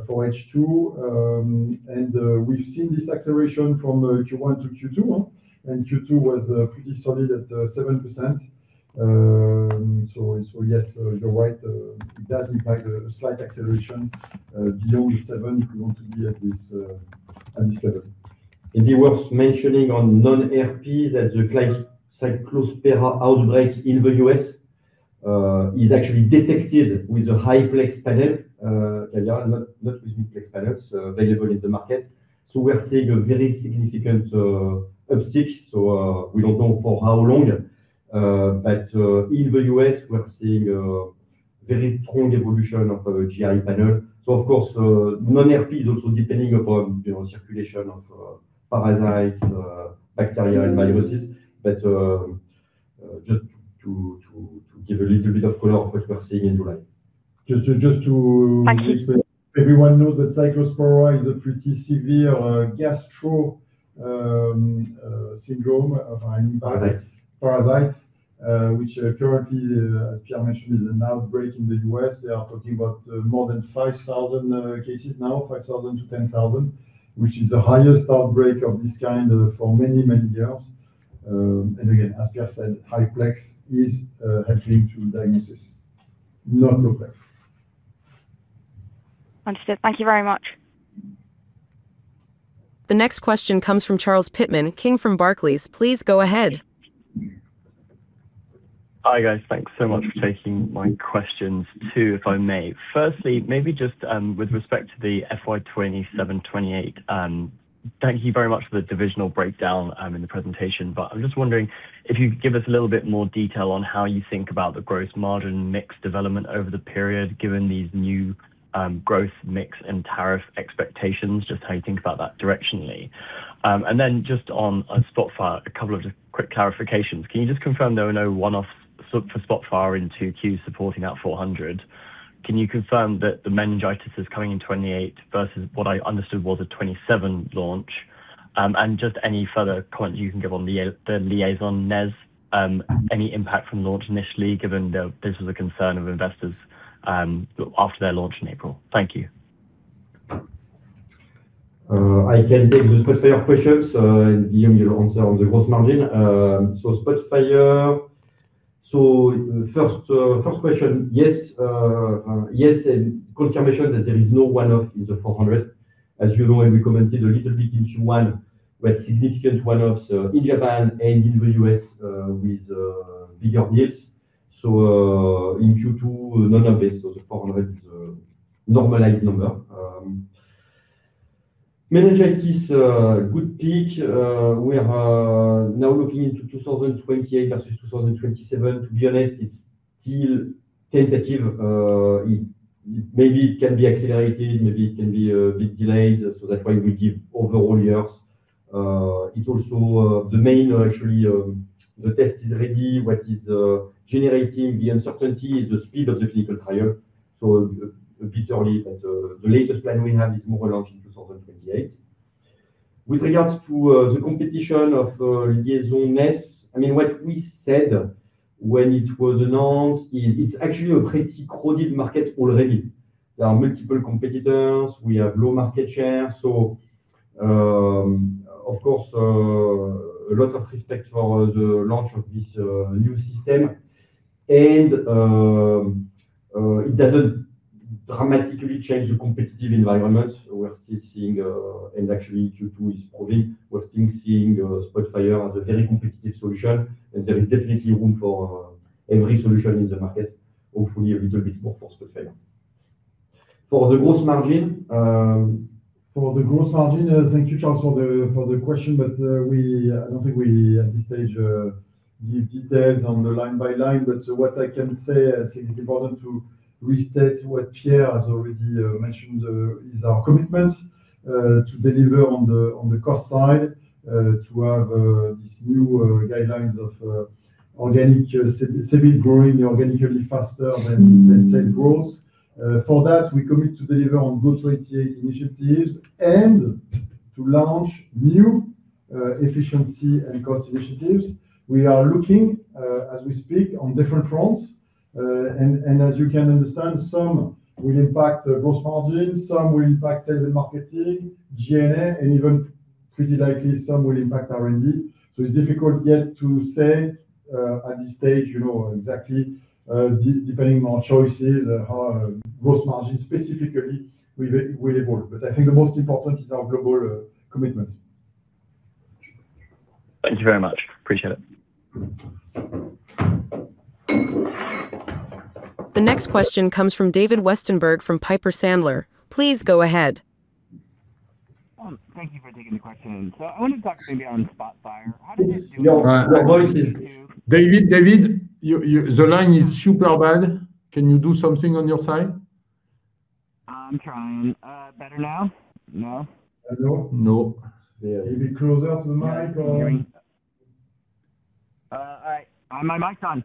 for H2. We've seen this acceleration from Q1 to Q2. Q2 was pretty solid at 7%. Yes, you're right. It does imply a slight acceleration below 7%. We want to be at this level. It is worth mentioning on non-RP that the Cyclospora outbreak in the U.S. is actually detected with a high-plex panel, not with mid-plex panels available in the market. We are seeing a very significant uptick. We don't know for how long. In the U.S., we are seeing a very strong evolution of the GI panel. Of course, non-RP is also depending upon circulation of parasites, bacteria, and viruses. Just to give a little bit of color of what we're seeing in July. Just to- Thank you Everyone knows that Cyclospora is a pretty severe gastro syndrome. Parasite. Parasite, which currently, as Pierre mentioned, is an outbreak in the U.S. They are talking about more than 5,000 cases now, 5,000-10,000, which is the highest outbreak of this kind for many, many years. Again, as Pierre said, high-plex is helping to diagnose, not low-plex. Understood. Thank you very much. The next question comes from Charles Pitman-King from Barclays. Please go ahead. Hi, guys. Thanks so much for taking my questions too, if I may. Firstly, maybe just with respect to the FY 2027, 2028. Thank you very much for the divisional breakdown in the presentation. I'm just wondering if you could give us a little bit more detail on how you think about the gross margin mix development over the period, given these new growth mix and tariff expectations, just how you think about that directionally. Just on SPOTFIRE, a couple of just quick clarifications. Can you just confirm there were no one-offs for SPOTFIRE in 2Q supporting that 400? Can you confirm that the meningitis is coming in 2028 versus what I understood was a 2027 launch? Just any further points you can give on the LIAISON NES, any impact from launch initially, given this was a concern of investors after their launch in April. Thank you. I can take the SPOTFIRE questions, Guillaume, you answer on the gross margin. SPOTFIRE. First question. Yes, confirmation that there is no one-off in the 400. As you know, we commented a little bit in Q1, we had significant one-offs in Japan and in the U.S. with bigger deals. In Q2, none of this. The EUR 400 is a normalized number. Meningitis, good pick. We are now looking into 2028 versus 2027. To be honest, it's still tentative. Maybe it can be accelerated, maybe it can be a bit delayed. That's why we give overall years. The main, the test is ready. What is generating the uncertainty is the speed of the clinical trial. A bit early, but the latest plan we have is more launch in 2028. With regards to the competition of LIAISON NES, what we said when it was announced is it's a pretty crowded market already. There are multiple competitors. We have low market share. Of course, a lot of respect for the launch of this new system. It doesn't dramatically change the competitive environment. We're still seeing, Q2 is proving, we're still seeing SPOTFIRE as a very competitive solution. There is definitely room for every solution in the market, hopefully a little bit more for SPOTFIRE. For the gross margin, thank you, Charles, for the question, I don't think we, at this stage, give details on the line by line. What I can say, I think it's important to restate what Pierre has already mentioned, is our commitment to deliver on the cost side, to have these new guidelines of CEBIT growing organically faster than sales growth. For that, we commit to deliver on GO•28 initiatives and to launch new efficiency and cost initiatives. We are looking, as we speak, on different fronts. As you can understand, some will impact gross margin, some will impact sales and marketing, G&A, and even pretty likely some will impact R&D. It's difficult yet to say, at this stage, exactly, depending on choices, how gross margin specifically will evolve. I think the most important is our global commitment. Thank you very much. Appreciate it. The next question comes from David Westenberg from Piper Sandler. Please go ahead. Thank you for taking the question. I want to talk maybe on SPOTFIRE. How did it do. Your voice, David, the line is super bad. Can you do something on your side? I'm trying. Better now? No? No. Maybe closer to the mic or. All right. My mic's on.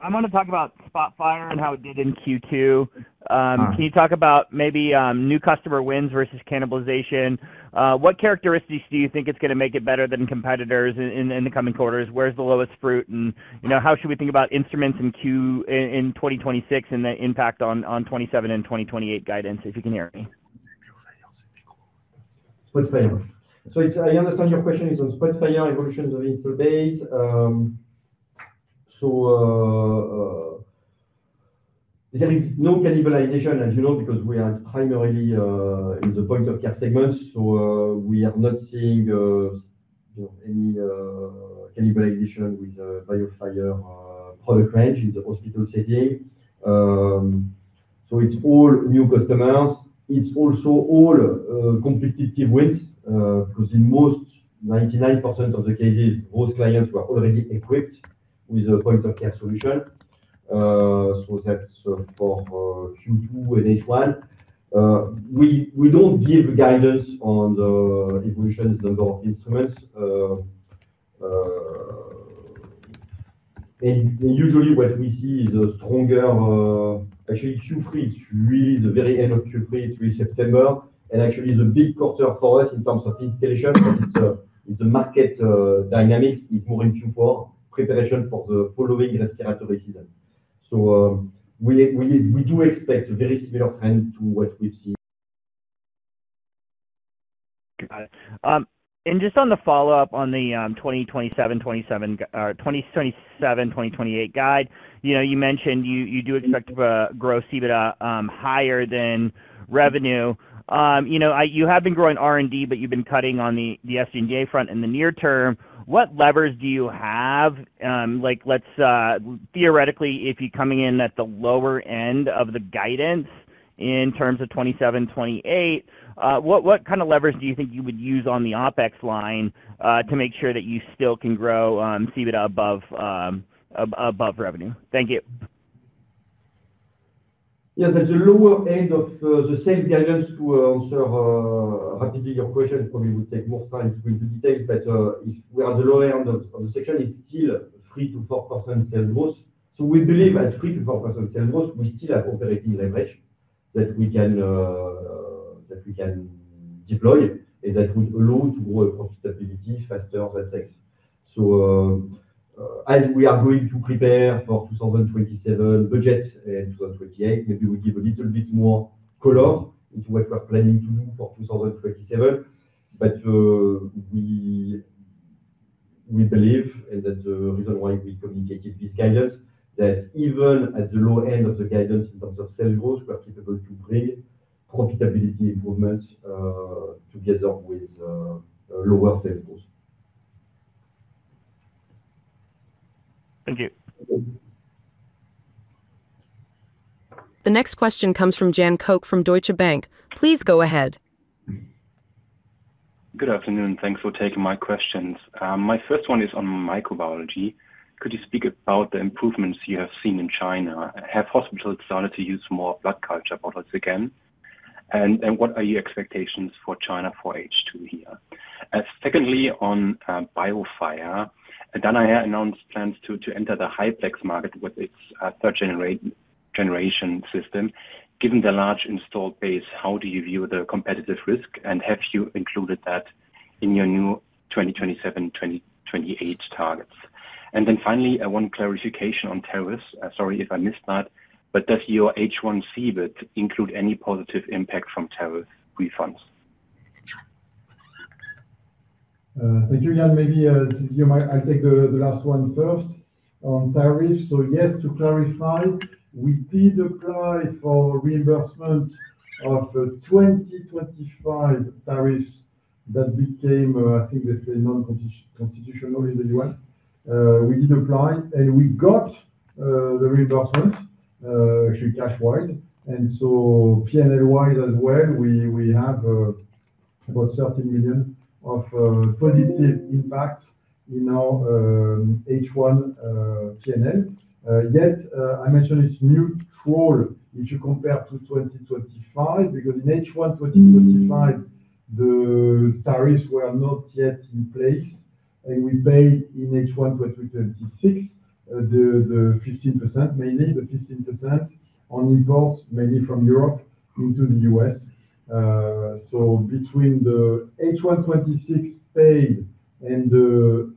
I want to talk about SPOTFIRE and how it did in Q2. Can you talk about maybe new customer wins versus cannibalization? What characteristics do you think it's going to make it better than competitors in the coming quarters? Where's the lowest fruit and how should we think about instruments in 2026 and the impact on 2027 and 2028 guidance, if you can hear me? SPOTFIRE. I understand your question is on SPOTFIRE evolution of install base. There is no cannibalization, as you know, because we are primarily in the point of care segment. We are not seeing any cannibalization with BIOFIRE product range in the hospital setting. It's all new customers. It's also all competitive wins. Because in most, 99% of the cases, those clients were already equipped with a point-of-care solution. That's for Q2 and H1. We don't give guidance on the evolution number of instruments. Usually what we see is actually Q3, it's really the very end of Q3, it's really September, and actually the big quarter for us in terms of installation, but it's a market dynamics. It's more in Q4, preparation for the following respiratory season. We do expect a very similar trend to what we've seen. Got it. Just on the follow-up on the 2027, 2028 guide, you mentioned you do expect a gross EBITDA higher than revenue. You have been growing R&D, but you've been cutting on the SG&A front in the near term. What levers do you have? Theoretically, if you're coming in at the lower end of the guidance in terms of 2027, 2028, what kind of levers do you think you would use on the OpEx line to make sure that you still can grow EBITDA above revenue? Thank you. Yes, at the lower end of the sales guidance, to answer rapidly your question, it probably would take more time to go into details, but if we are at the lower end of the section, it's still 3%-4% sales growth. We believe at 3%-4% sales growth, we still have operating leverage that we can deploy and that will allow to grow profitability faster than sales. As we are going to prepare for 2027 budget and 2028, maybe we'll give a little bit more color into what we're planning to do for 2027. We believe, and that's the reason why we communicated this guidance, that even at the low end of the guidance in terms of sales growth, we are capable to bring profitability improvements together with lower sales growth. Thank you. The next question comes from Jan Koch from Deutsche Bank. Please go ahead. Good afternoon. Thanks for taking my questions. My first one is on microbiology. Could you speak about the improvements you have seen in China? Have hospitals started to use more blood culture products again? What are your expectations for China for H2 here? Secondly, on BIOFIRE. Danaher announced plans to enter the high-plex market with its third-generation system. Given the large installed base, how do you view the competitive risk, and have you included that in your new 2027, 2028 targets? Finally, I want clarification on tariffs. Sorry if I missed that, but does your H1 CEBIT include any positive impact from tariff refunds? Thank you, Jan. Maybe, Guillaume, I'll take the last one first on tariffs. Yes, to clarify, we did apply for reimbursement of 2025 tariffs that became, I think they say, non-constitutional in the U.S. We did apply, and we got the reimbursement, actually cash-wide, and P&L-wide as well. We have about 30 million of positive impact in our H1 P&L. Yet, I mentioned it's neutral if you compare to 2025, because in H1 2025, the tariffs were not yet in place, and we paid in H1 2026, the 15%, mainly the 15% on imports, mainly from Europe into the U.S. Between the H1 2026 paid and the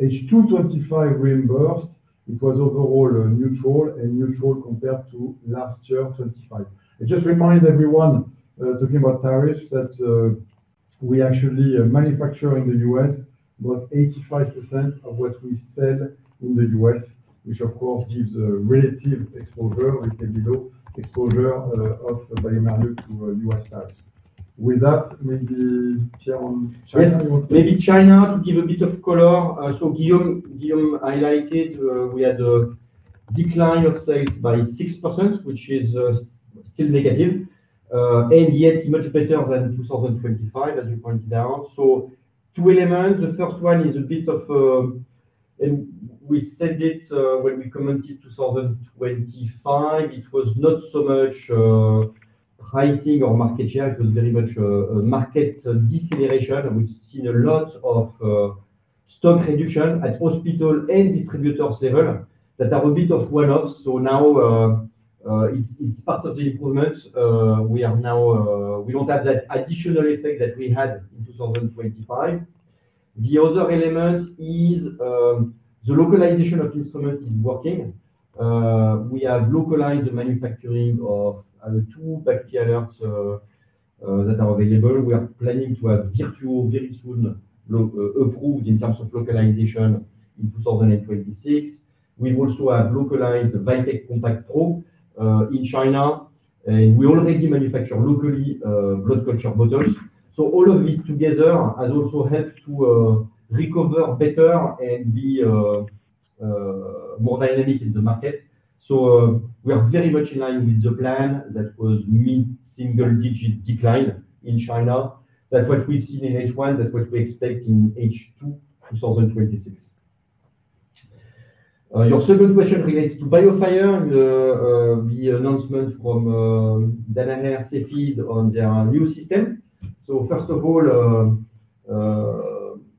H2 2025 reimbursed, it was overall neutral and neutral compared to last year, 2025. I just remind everyone, talking about tariffs, that we actually manufacture in the U.S. about 85% of what we sell in the U.S., which of course gives a relative exposure, a little bit low exposure of bioMérieux to U.S. tariffs. With that, maybe, Pierre, on China you want to. Yes. Maybe China, to give a bit of color. Guillaume highlighted we had a decline of sales by 6%, which is still negative, and yet much better than 2025, as you pointed out. Two elements. The first one is a bit of, we said it when we commented 2025, it was not so much pricing or market share, it was very much a market deceleration. We've seen a lot of stock reduction at hospital and distributors level that are a bit of one-offs. Now, it's part of the improvement. We don't have that additional effect that we had in 2025. The other element is the localization of instrument is working. We have localized the manufacturing of the two BACT/ALERTs that are available. We are planning to have Virtuo very soon approved in terms of localization in 2026. We also have localized the VITEK COMPACT PRO in China, and we already manufacture locally blood culture bottles. All of this together has also helped to recover better and be more dynamic in the market. We are very much in line with the plan that was mid-single digit decline in China. That's what we've seen in H1. That's what we expect in H2 2026. Your second question relates to BIOFIRE, the announcement from Danaher Cepheid on their new system. First of all,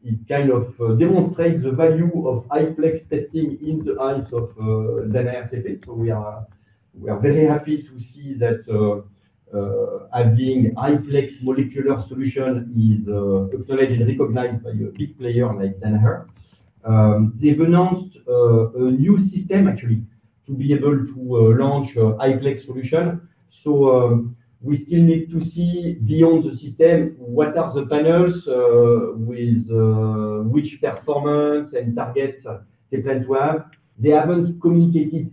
it kind of demonstrates the value of high-plex testing in the eyes of Danaher Cepheid. We are very happy to see that having high-plex molecular solution is totally recognized by a big player like Danaher. They've announced a new system actually to be able to launch high-plex solution. We still need to see beyond the system what are the panels, with which performance and targets they plan to have. They haven't communicated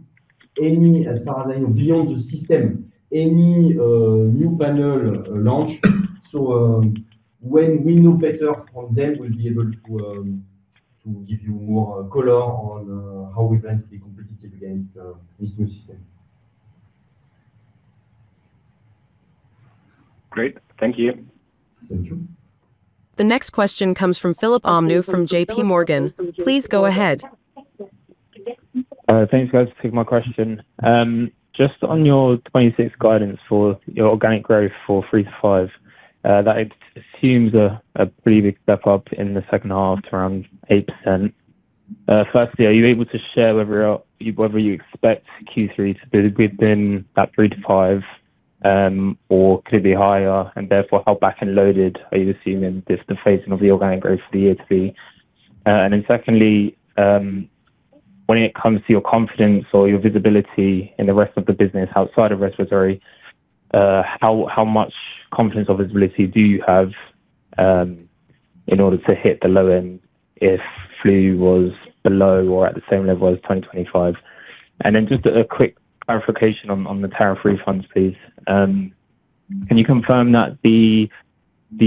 any, as far as I know, beyond the system, any new panel launch. When we know better from them, we'll be able to give you more color on how we plan to be competitive against this new system. Great. Thank you. Thank you. The next question comes from Philip Omnou from JPMorgan. Please go ahead. Thanks, guys. Thanks for my question. Just on your 2026 guidance for your organic growth for 3%-5%, that assumes a pretty big step-up in the second half to around 8%. Firstly, are you able to share whether you expect Q3 to be within that 3%-5%, or could it be higher, and therefore, how back-end loaded are you assuming this, the phasing of the organic growth for the year to be? Secondly, when it comes to your confidence or your visibility in the rest of the business outside of respiratory, how much confidence or visibility do you have in order to hit the low end if flu was below or at the same level as 2025? Just a quick clarification on the tariff refunds, please. Can you confirm that the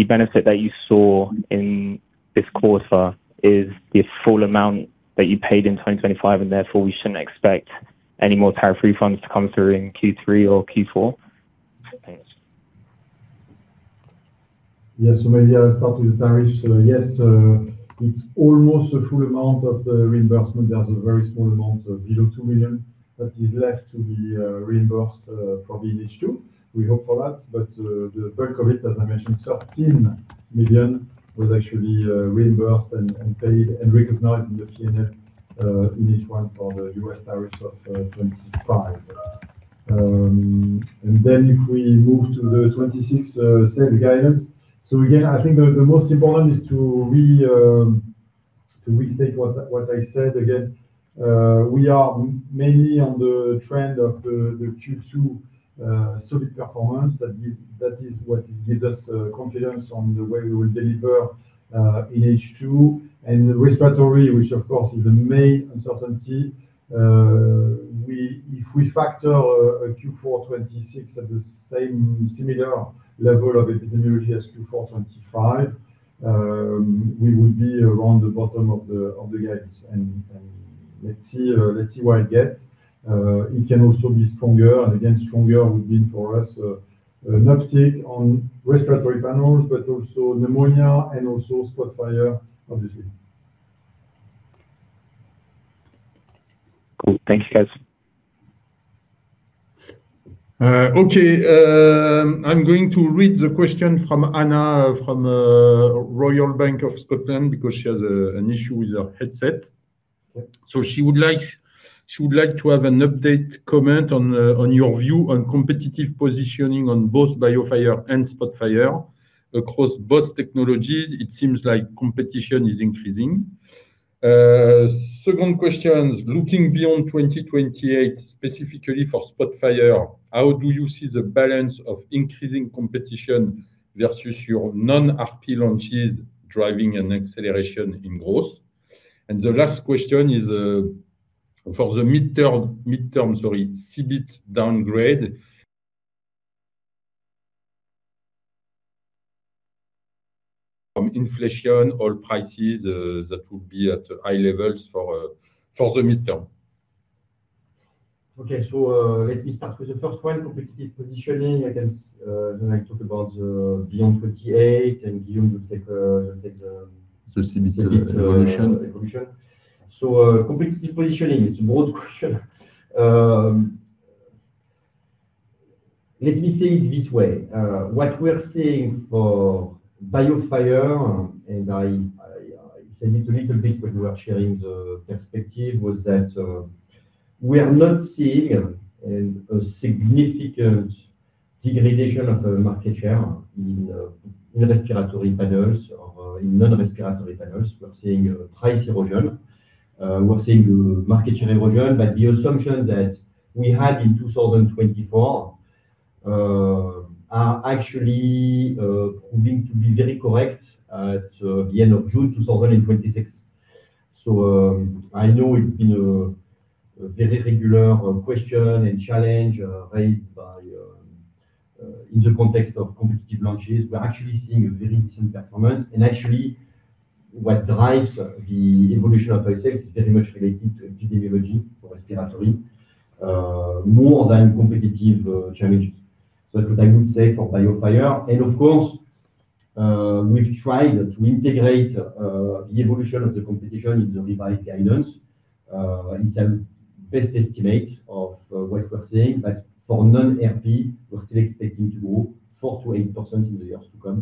benefit that you saw in this quarter is the full amount that you paid in 2025, and therefore we shouldn't expect any more tariff refunds to come through in Q3 or Q4? Thanks. Yes. Maybe I'll start with the tariffs. Yes, it's almost a full amount of the reimbursement. There's a very small amount of below 2 million that is left to be reimbursed, probably in H2. We hope for that. The bulk of it, as I mentioned, 13 million was actually reimbursed and paid and recognized in the PNL in H1 for the U.S. tariffs of 2025. If we move to the 2026 sales guidance. Again, I think the most important is to really to restate what I said again, we are mainly on the trend of the Q2 solid performance. That is what gives us confidence on the way we will deliver in H2. Respiratory, which of course is a main uncertainty, if we factor a Q4 2026 at the same similar level of epidemiology as Q4 2025, we would be around the bottom of the guidance. Let's see where it gets. It can also be stronger, again, stronger would mean for us an uptick on respiratory panels, but also pneumonia and also SPOTFIRE, obviously. Cool. Thank you, guys. Okay. I'm going to read the question from Anna from Royal Bank of Scotland because she has an issue with her headset. Okay. She would like to have an update comment on your view on competitive positioning on both BIOFIRE and SPOTFIRE. Across both technologies, it seems like competition is increasing. Second question is, looking beyond 2028, specifically for SPOTFIRE, how do you see the balance of increasing competition versus your non-RP launches driving an acceleration in growth? The last question is, for the midterm CEBIT downgrade. From inflation, oil prices, that will be at high levels for the midterm. Okay. Let me start with the first one, competitive positioning. I guess then I talk about the beyond 2028, Guillaume will take. The CEBIT evolution. CEBIT evolution. Competitive positioning, it's a broad question. Let me say it this way. What we are seeing for BIOFIRE, and I said it a little bit when we were sharing the perspective, was that we are not seeing a significant degradation of the market share in respiratory panels or in non-respiratory panels. We're seeing a price erosion. We're seeing the market share erosion, but the assumption that we had in 2024 are actually proving to be very correct at the end of June 2026. I know it's been a very regular question and challenge raised by, in the context of competitive launches. We're actually seeing a very decent performance. Actually, what drives the evolution of ourselves is very much related to epidemiology for respiratory, more than competitive challenges. That's what I would say for BIOFIRE. Of course, we've tried to integrate the evolution of the competition in the revised guidance. It's a best estimate of what we are saying. For non-RP, we're still expecting to grow 4%-8% in the years to come,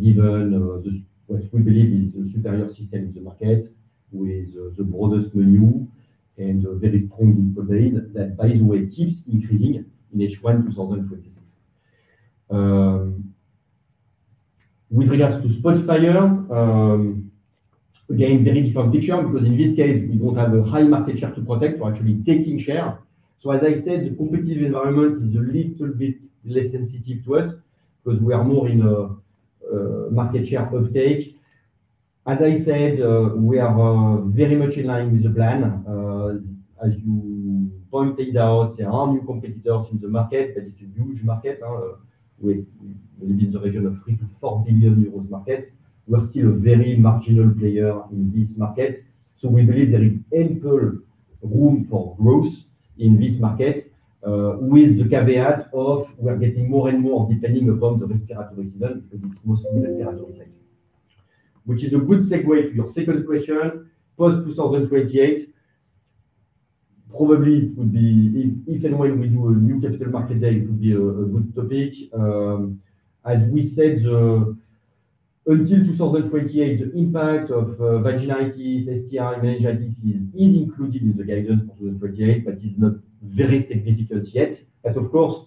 given this what we believe is a superior system in the market with the broadest menu and a very strong installed base. That, by the way, keeps increasing in H1 2026. With regards to SPOTFIRE, again, very different picture because in this case, we don't have a high market share to protect. We're actually taking share. As I said, the competitive environment is a little bit less sensitive to us because we are more in a market share uptake. As I said, we are very much in line with the plan. As you pointed out, there are new competitors in the market, but it's a huge market, with maybe in the region of 3 billion-4 billion euros market. We are still a very marginal player in this market. We believe there is ample room for growth in this market, with the caveat of we're getting more and more depending upon the respiratory season because it's mostly respiratory disease. Which is a good segue to your second question, post 2028. Probably it would be, if and when we do a new capital market day, it would be a good topic. As we said, until 2028, the impact of vaginitis, STI and meningitis is included in the guidance for 2028, but it's not very significant yet. Of course,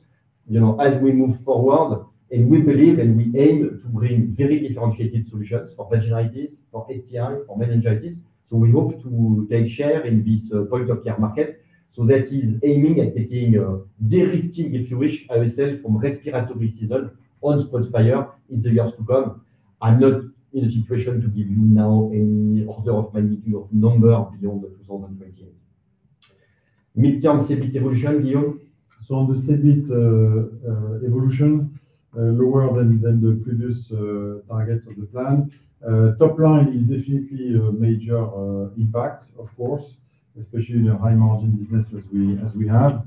as we move forward, and we believe and we aim to bring very differentiated solutions for vaginitis, for STI, for meningitis. We hope to take share in this point-of-care market. That is aiming at taking, de-risking, if you wish, ourselves from respiratory season on SPOTFIRE in the years to come. I'm not in a situation to give you now any order of magnitude of number beyond the 2028. Midterm CEBIT evolution, Guillaume. On the CEBIT evolution, lower than the previous targets of the plan. Top line is definitely a major impact, of course, especially in a high margin business as we have.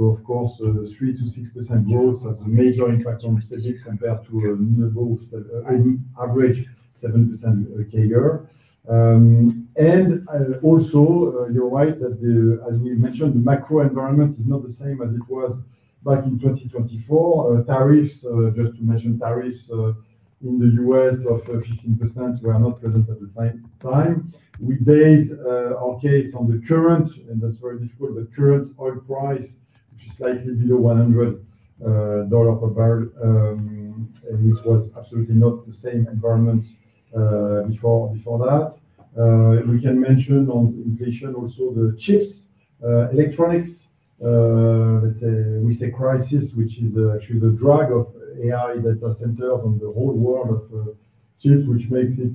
Of course, 3%-6% growth has a major impact on CEBIT compared to a level, I mean, average 7% CAGR. You are right that the, as we mentioned, the macro environment is not the same as it was back in 2024. Tariffs, just to mention tariffs, in the U.S. of 15% were not present at the time. We base our case on the current, and that's very difficult, the current oil price, which is slightly below $100 per barrel. It was absolutely not the same environment before that. We can mention on inflation also the chips, electronics. Let's say crisis, which is actually the drag of AI data centers on the whole world of chips, which makes it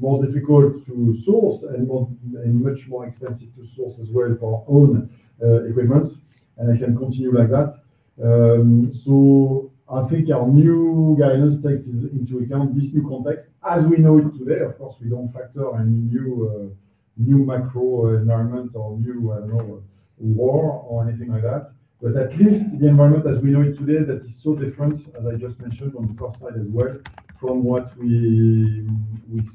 more difficult to source and much more expensive to source as well for our own equipments. I can continue like that. I think our new guidance takes into account this new context as we know it today. Of course, we don't factor a new macro environment or new, I don't know, war or anything like that, but at least the environment as we know it today, that is so different, as I just mentioned on the cost side as well, from what we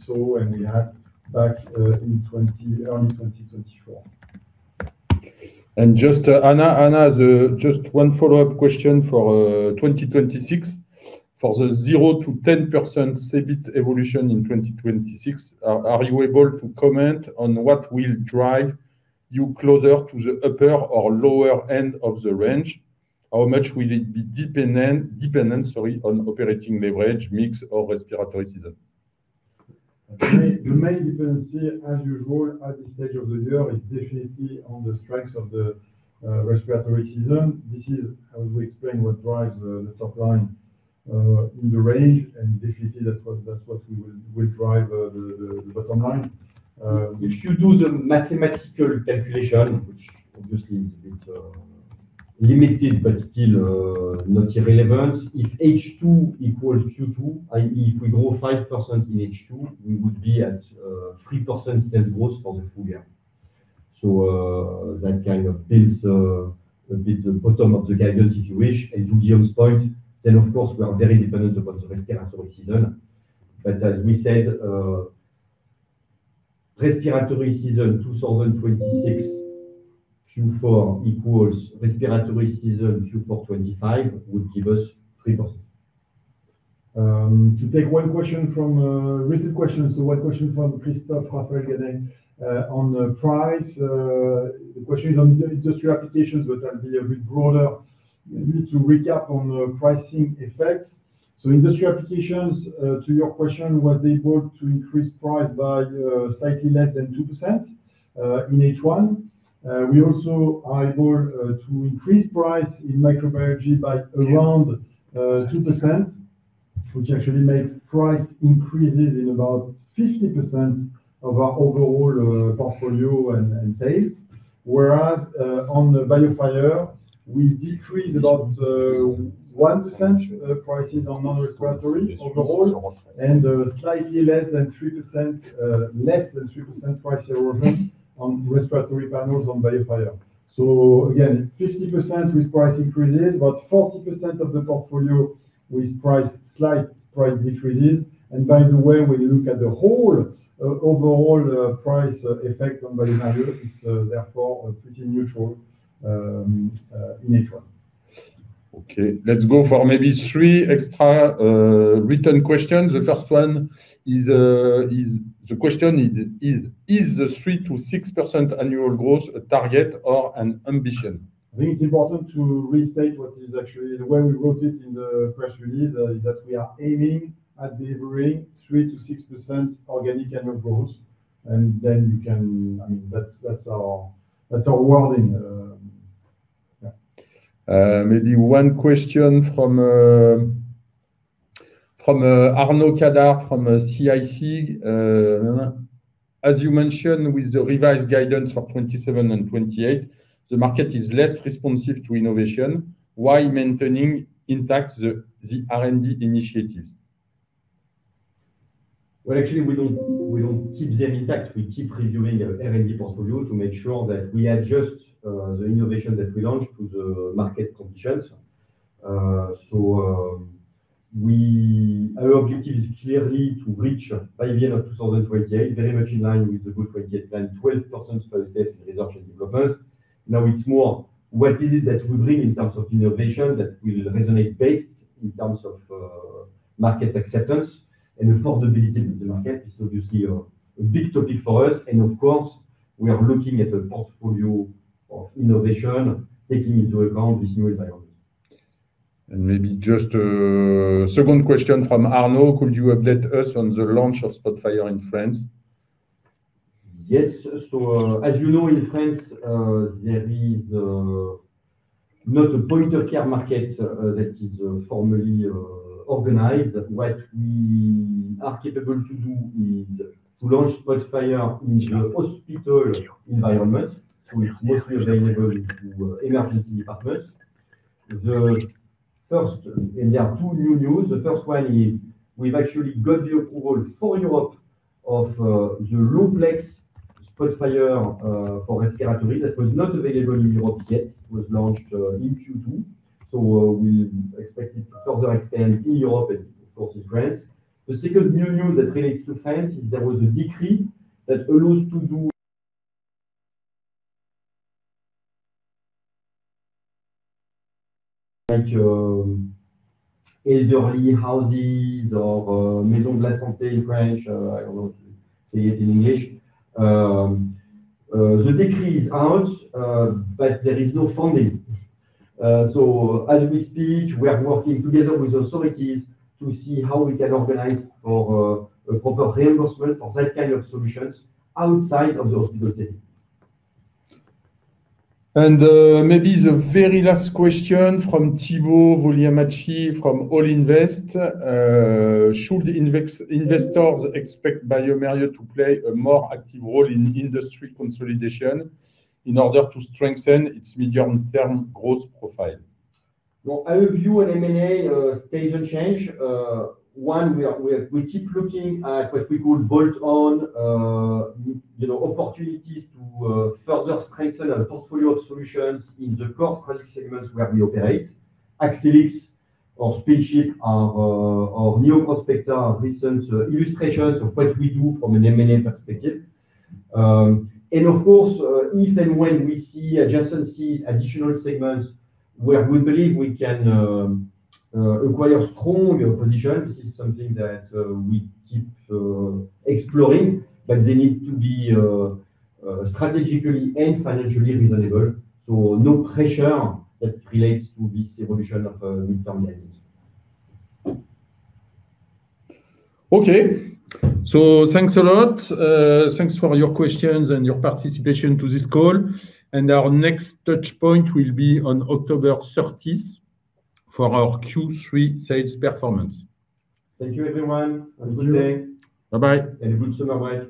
saw and we had back early 2024. Anna, just one follow-up question for 2026. For the 0%-10% CEBIT evolution in 2026, are you able to comment on what will drive you closer to the upper or lower end of the range? How much will it be dependent on operating leverage, mix or respiratory season? The main dependency as usual at this stage of the year is definitely on the strengths of the respiratory season. This is how we explain what drives the top line in the range, and definitely that's what will drive the bottom line. If you do the mathematical calculation, which obviously is a bit limited but still not irrelevant. If H2 equals Q2, i.e., if we grow 5% in H2, we would be at 3% sales growth for the full year. That kind of builds a bit the bottom of the guidance, if you wish. To Guillaume's point, then, of course, we are very dependent upon the respiratory season. As we said, respiratory season 2026 Q4 equals respiratory season Q4 2025 would give us 3%. To take one written question. One question from Christophe Raphael-Ganden on the price. The question is on industry applications, but I will be a bit broader maybe to recap on pricing effects. Industry applications, to your question, was able to increase price by slightly less than 2% in H1. We also are able to increase price in microbiology by around 2%, which actually makes price increases in about 50% of our overall portfolio and sales. Whereas on the BIOFIRE, we decreased about 1% prices on non-respiratory overall, and slightly less than 3% price erosion on respiratory panels on BIOFIRE. Again, 50% with price increases, about 40% of the portfolio with slight price decreases. By the way, when you look at the whole overall price effect on bioMérieux, it is therefore pretty neutral in H1. Okay, let's go for maybe three extra written questions. The first one, the question is: Is the 3%-6% annual growth a target or an ambition? I think it is important to restate what is actually, the way we wrote it in the press release, that we are aiming at delivering 3%-6% organic annual growth, and then you can. That is our wording. Maybe one question from Arnaud Cadart from CIC. As you mentioned, with the revised guidance for 2027 and 2028, the market is less responsive to innovation. Why maintaining intact the R&D initiatives? Well, actually, we don't keep them intact. We keep reviewing R&D portfolio to make sure that we adjust the innovation that we launch to the market conditions. Our objective is clearly to reach by the end of 2028, very much in line with the GO•28 plan, 12% sales in research and development. Now it's more what is it that we bring in terms of innovation that will resonate best in terms of market acceptance. Affordability in the market is obviously a big topic for us, and of course, we are looking at a portfolio of innovation taking into account this new environment. Maybe just a second question from Arnaud. Could you update us on the launch of SPOTFIRE in France? Yes. As you know, in France, there is not a point-of-care market that is formally organized. What we are capable to do is to launch SPOTFIRE in the hospital environment, so it's mostly available to emergency departments. There are two new news. The first one is we've actually got the approval for Europe of the Low-Plex SPOTFIRE for respiratory that was not available in Europe yet, was launched in Q2. We expect it to further expand in Europe and of course in France. The second new news that relates to France is there was a decree that allows like elderly houses or "maison de santé" in French, I don't know how to say it in English. The decree is out, but there is no funding. As we speak, we are working together with authorities to see how we can organize for a proper reimbursement for that kind of solutions outside of the hospital setting. Maybe the very last question from Thibault Lechevallier from All Invest. Should investors expect bioMérieux to play a more active role in industry consolidation in order to strengthen its medium-term growth profile? Well, our view on M&A stays unchanged. One, we keep looking at what we could build on, opportunities to further strengthen our portfolio of solutions in the core strategic segments where we operate. Accellix or SPINCHIP or Neoprospecta are recent illustrations of what we do from an M&A perspective. Of course, if and when we see adjacencies, additional segments where we believe we can acquire stronger position, this is something that we keep exploring, but they need to be strategically and financially reasonable. No pressure that relates to this evolution of medium management. Okay. Thanks a lot. Thanks for your questions and your participation to this call. Our next touch point will be on October 30th for our Q3 sales performance. Thank you everyone, good day. Bye-bye. Good summer break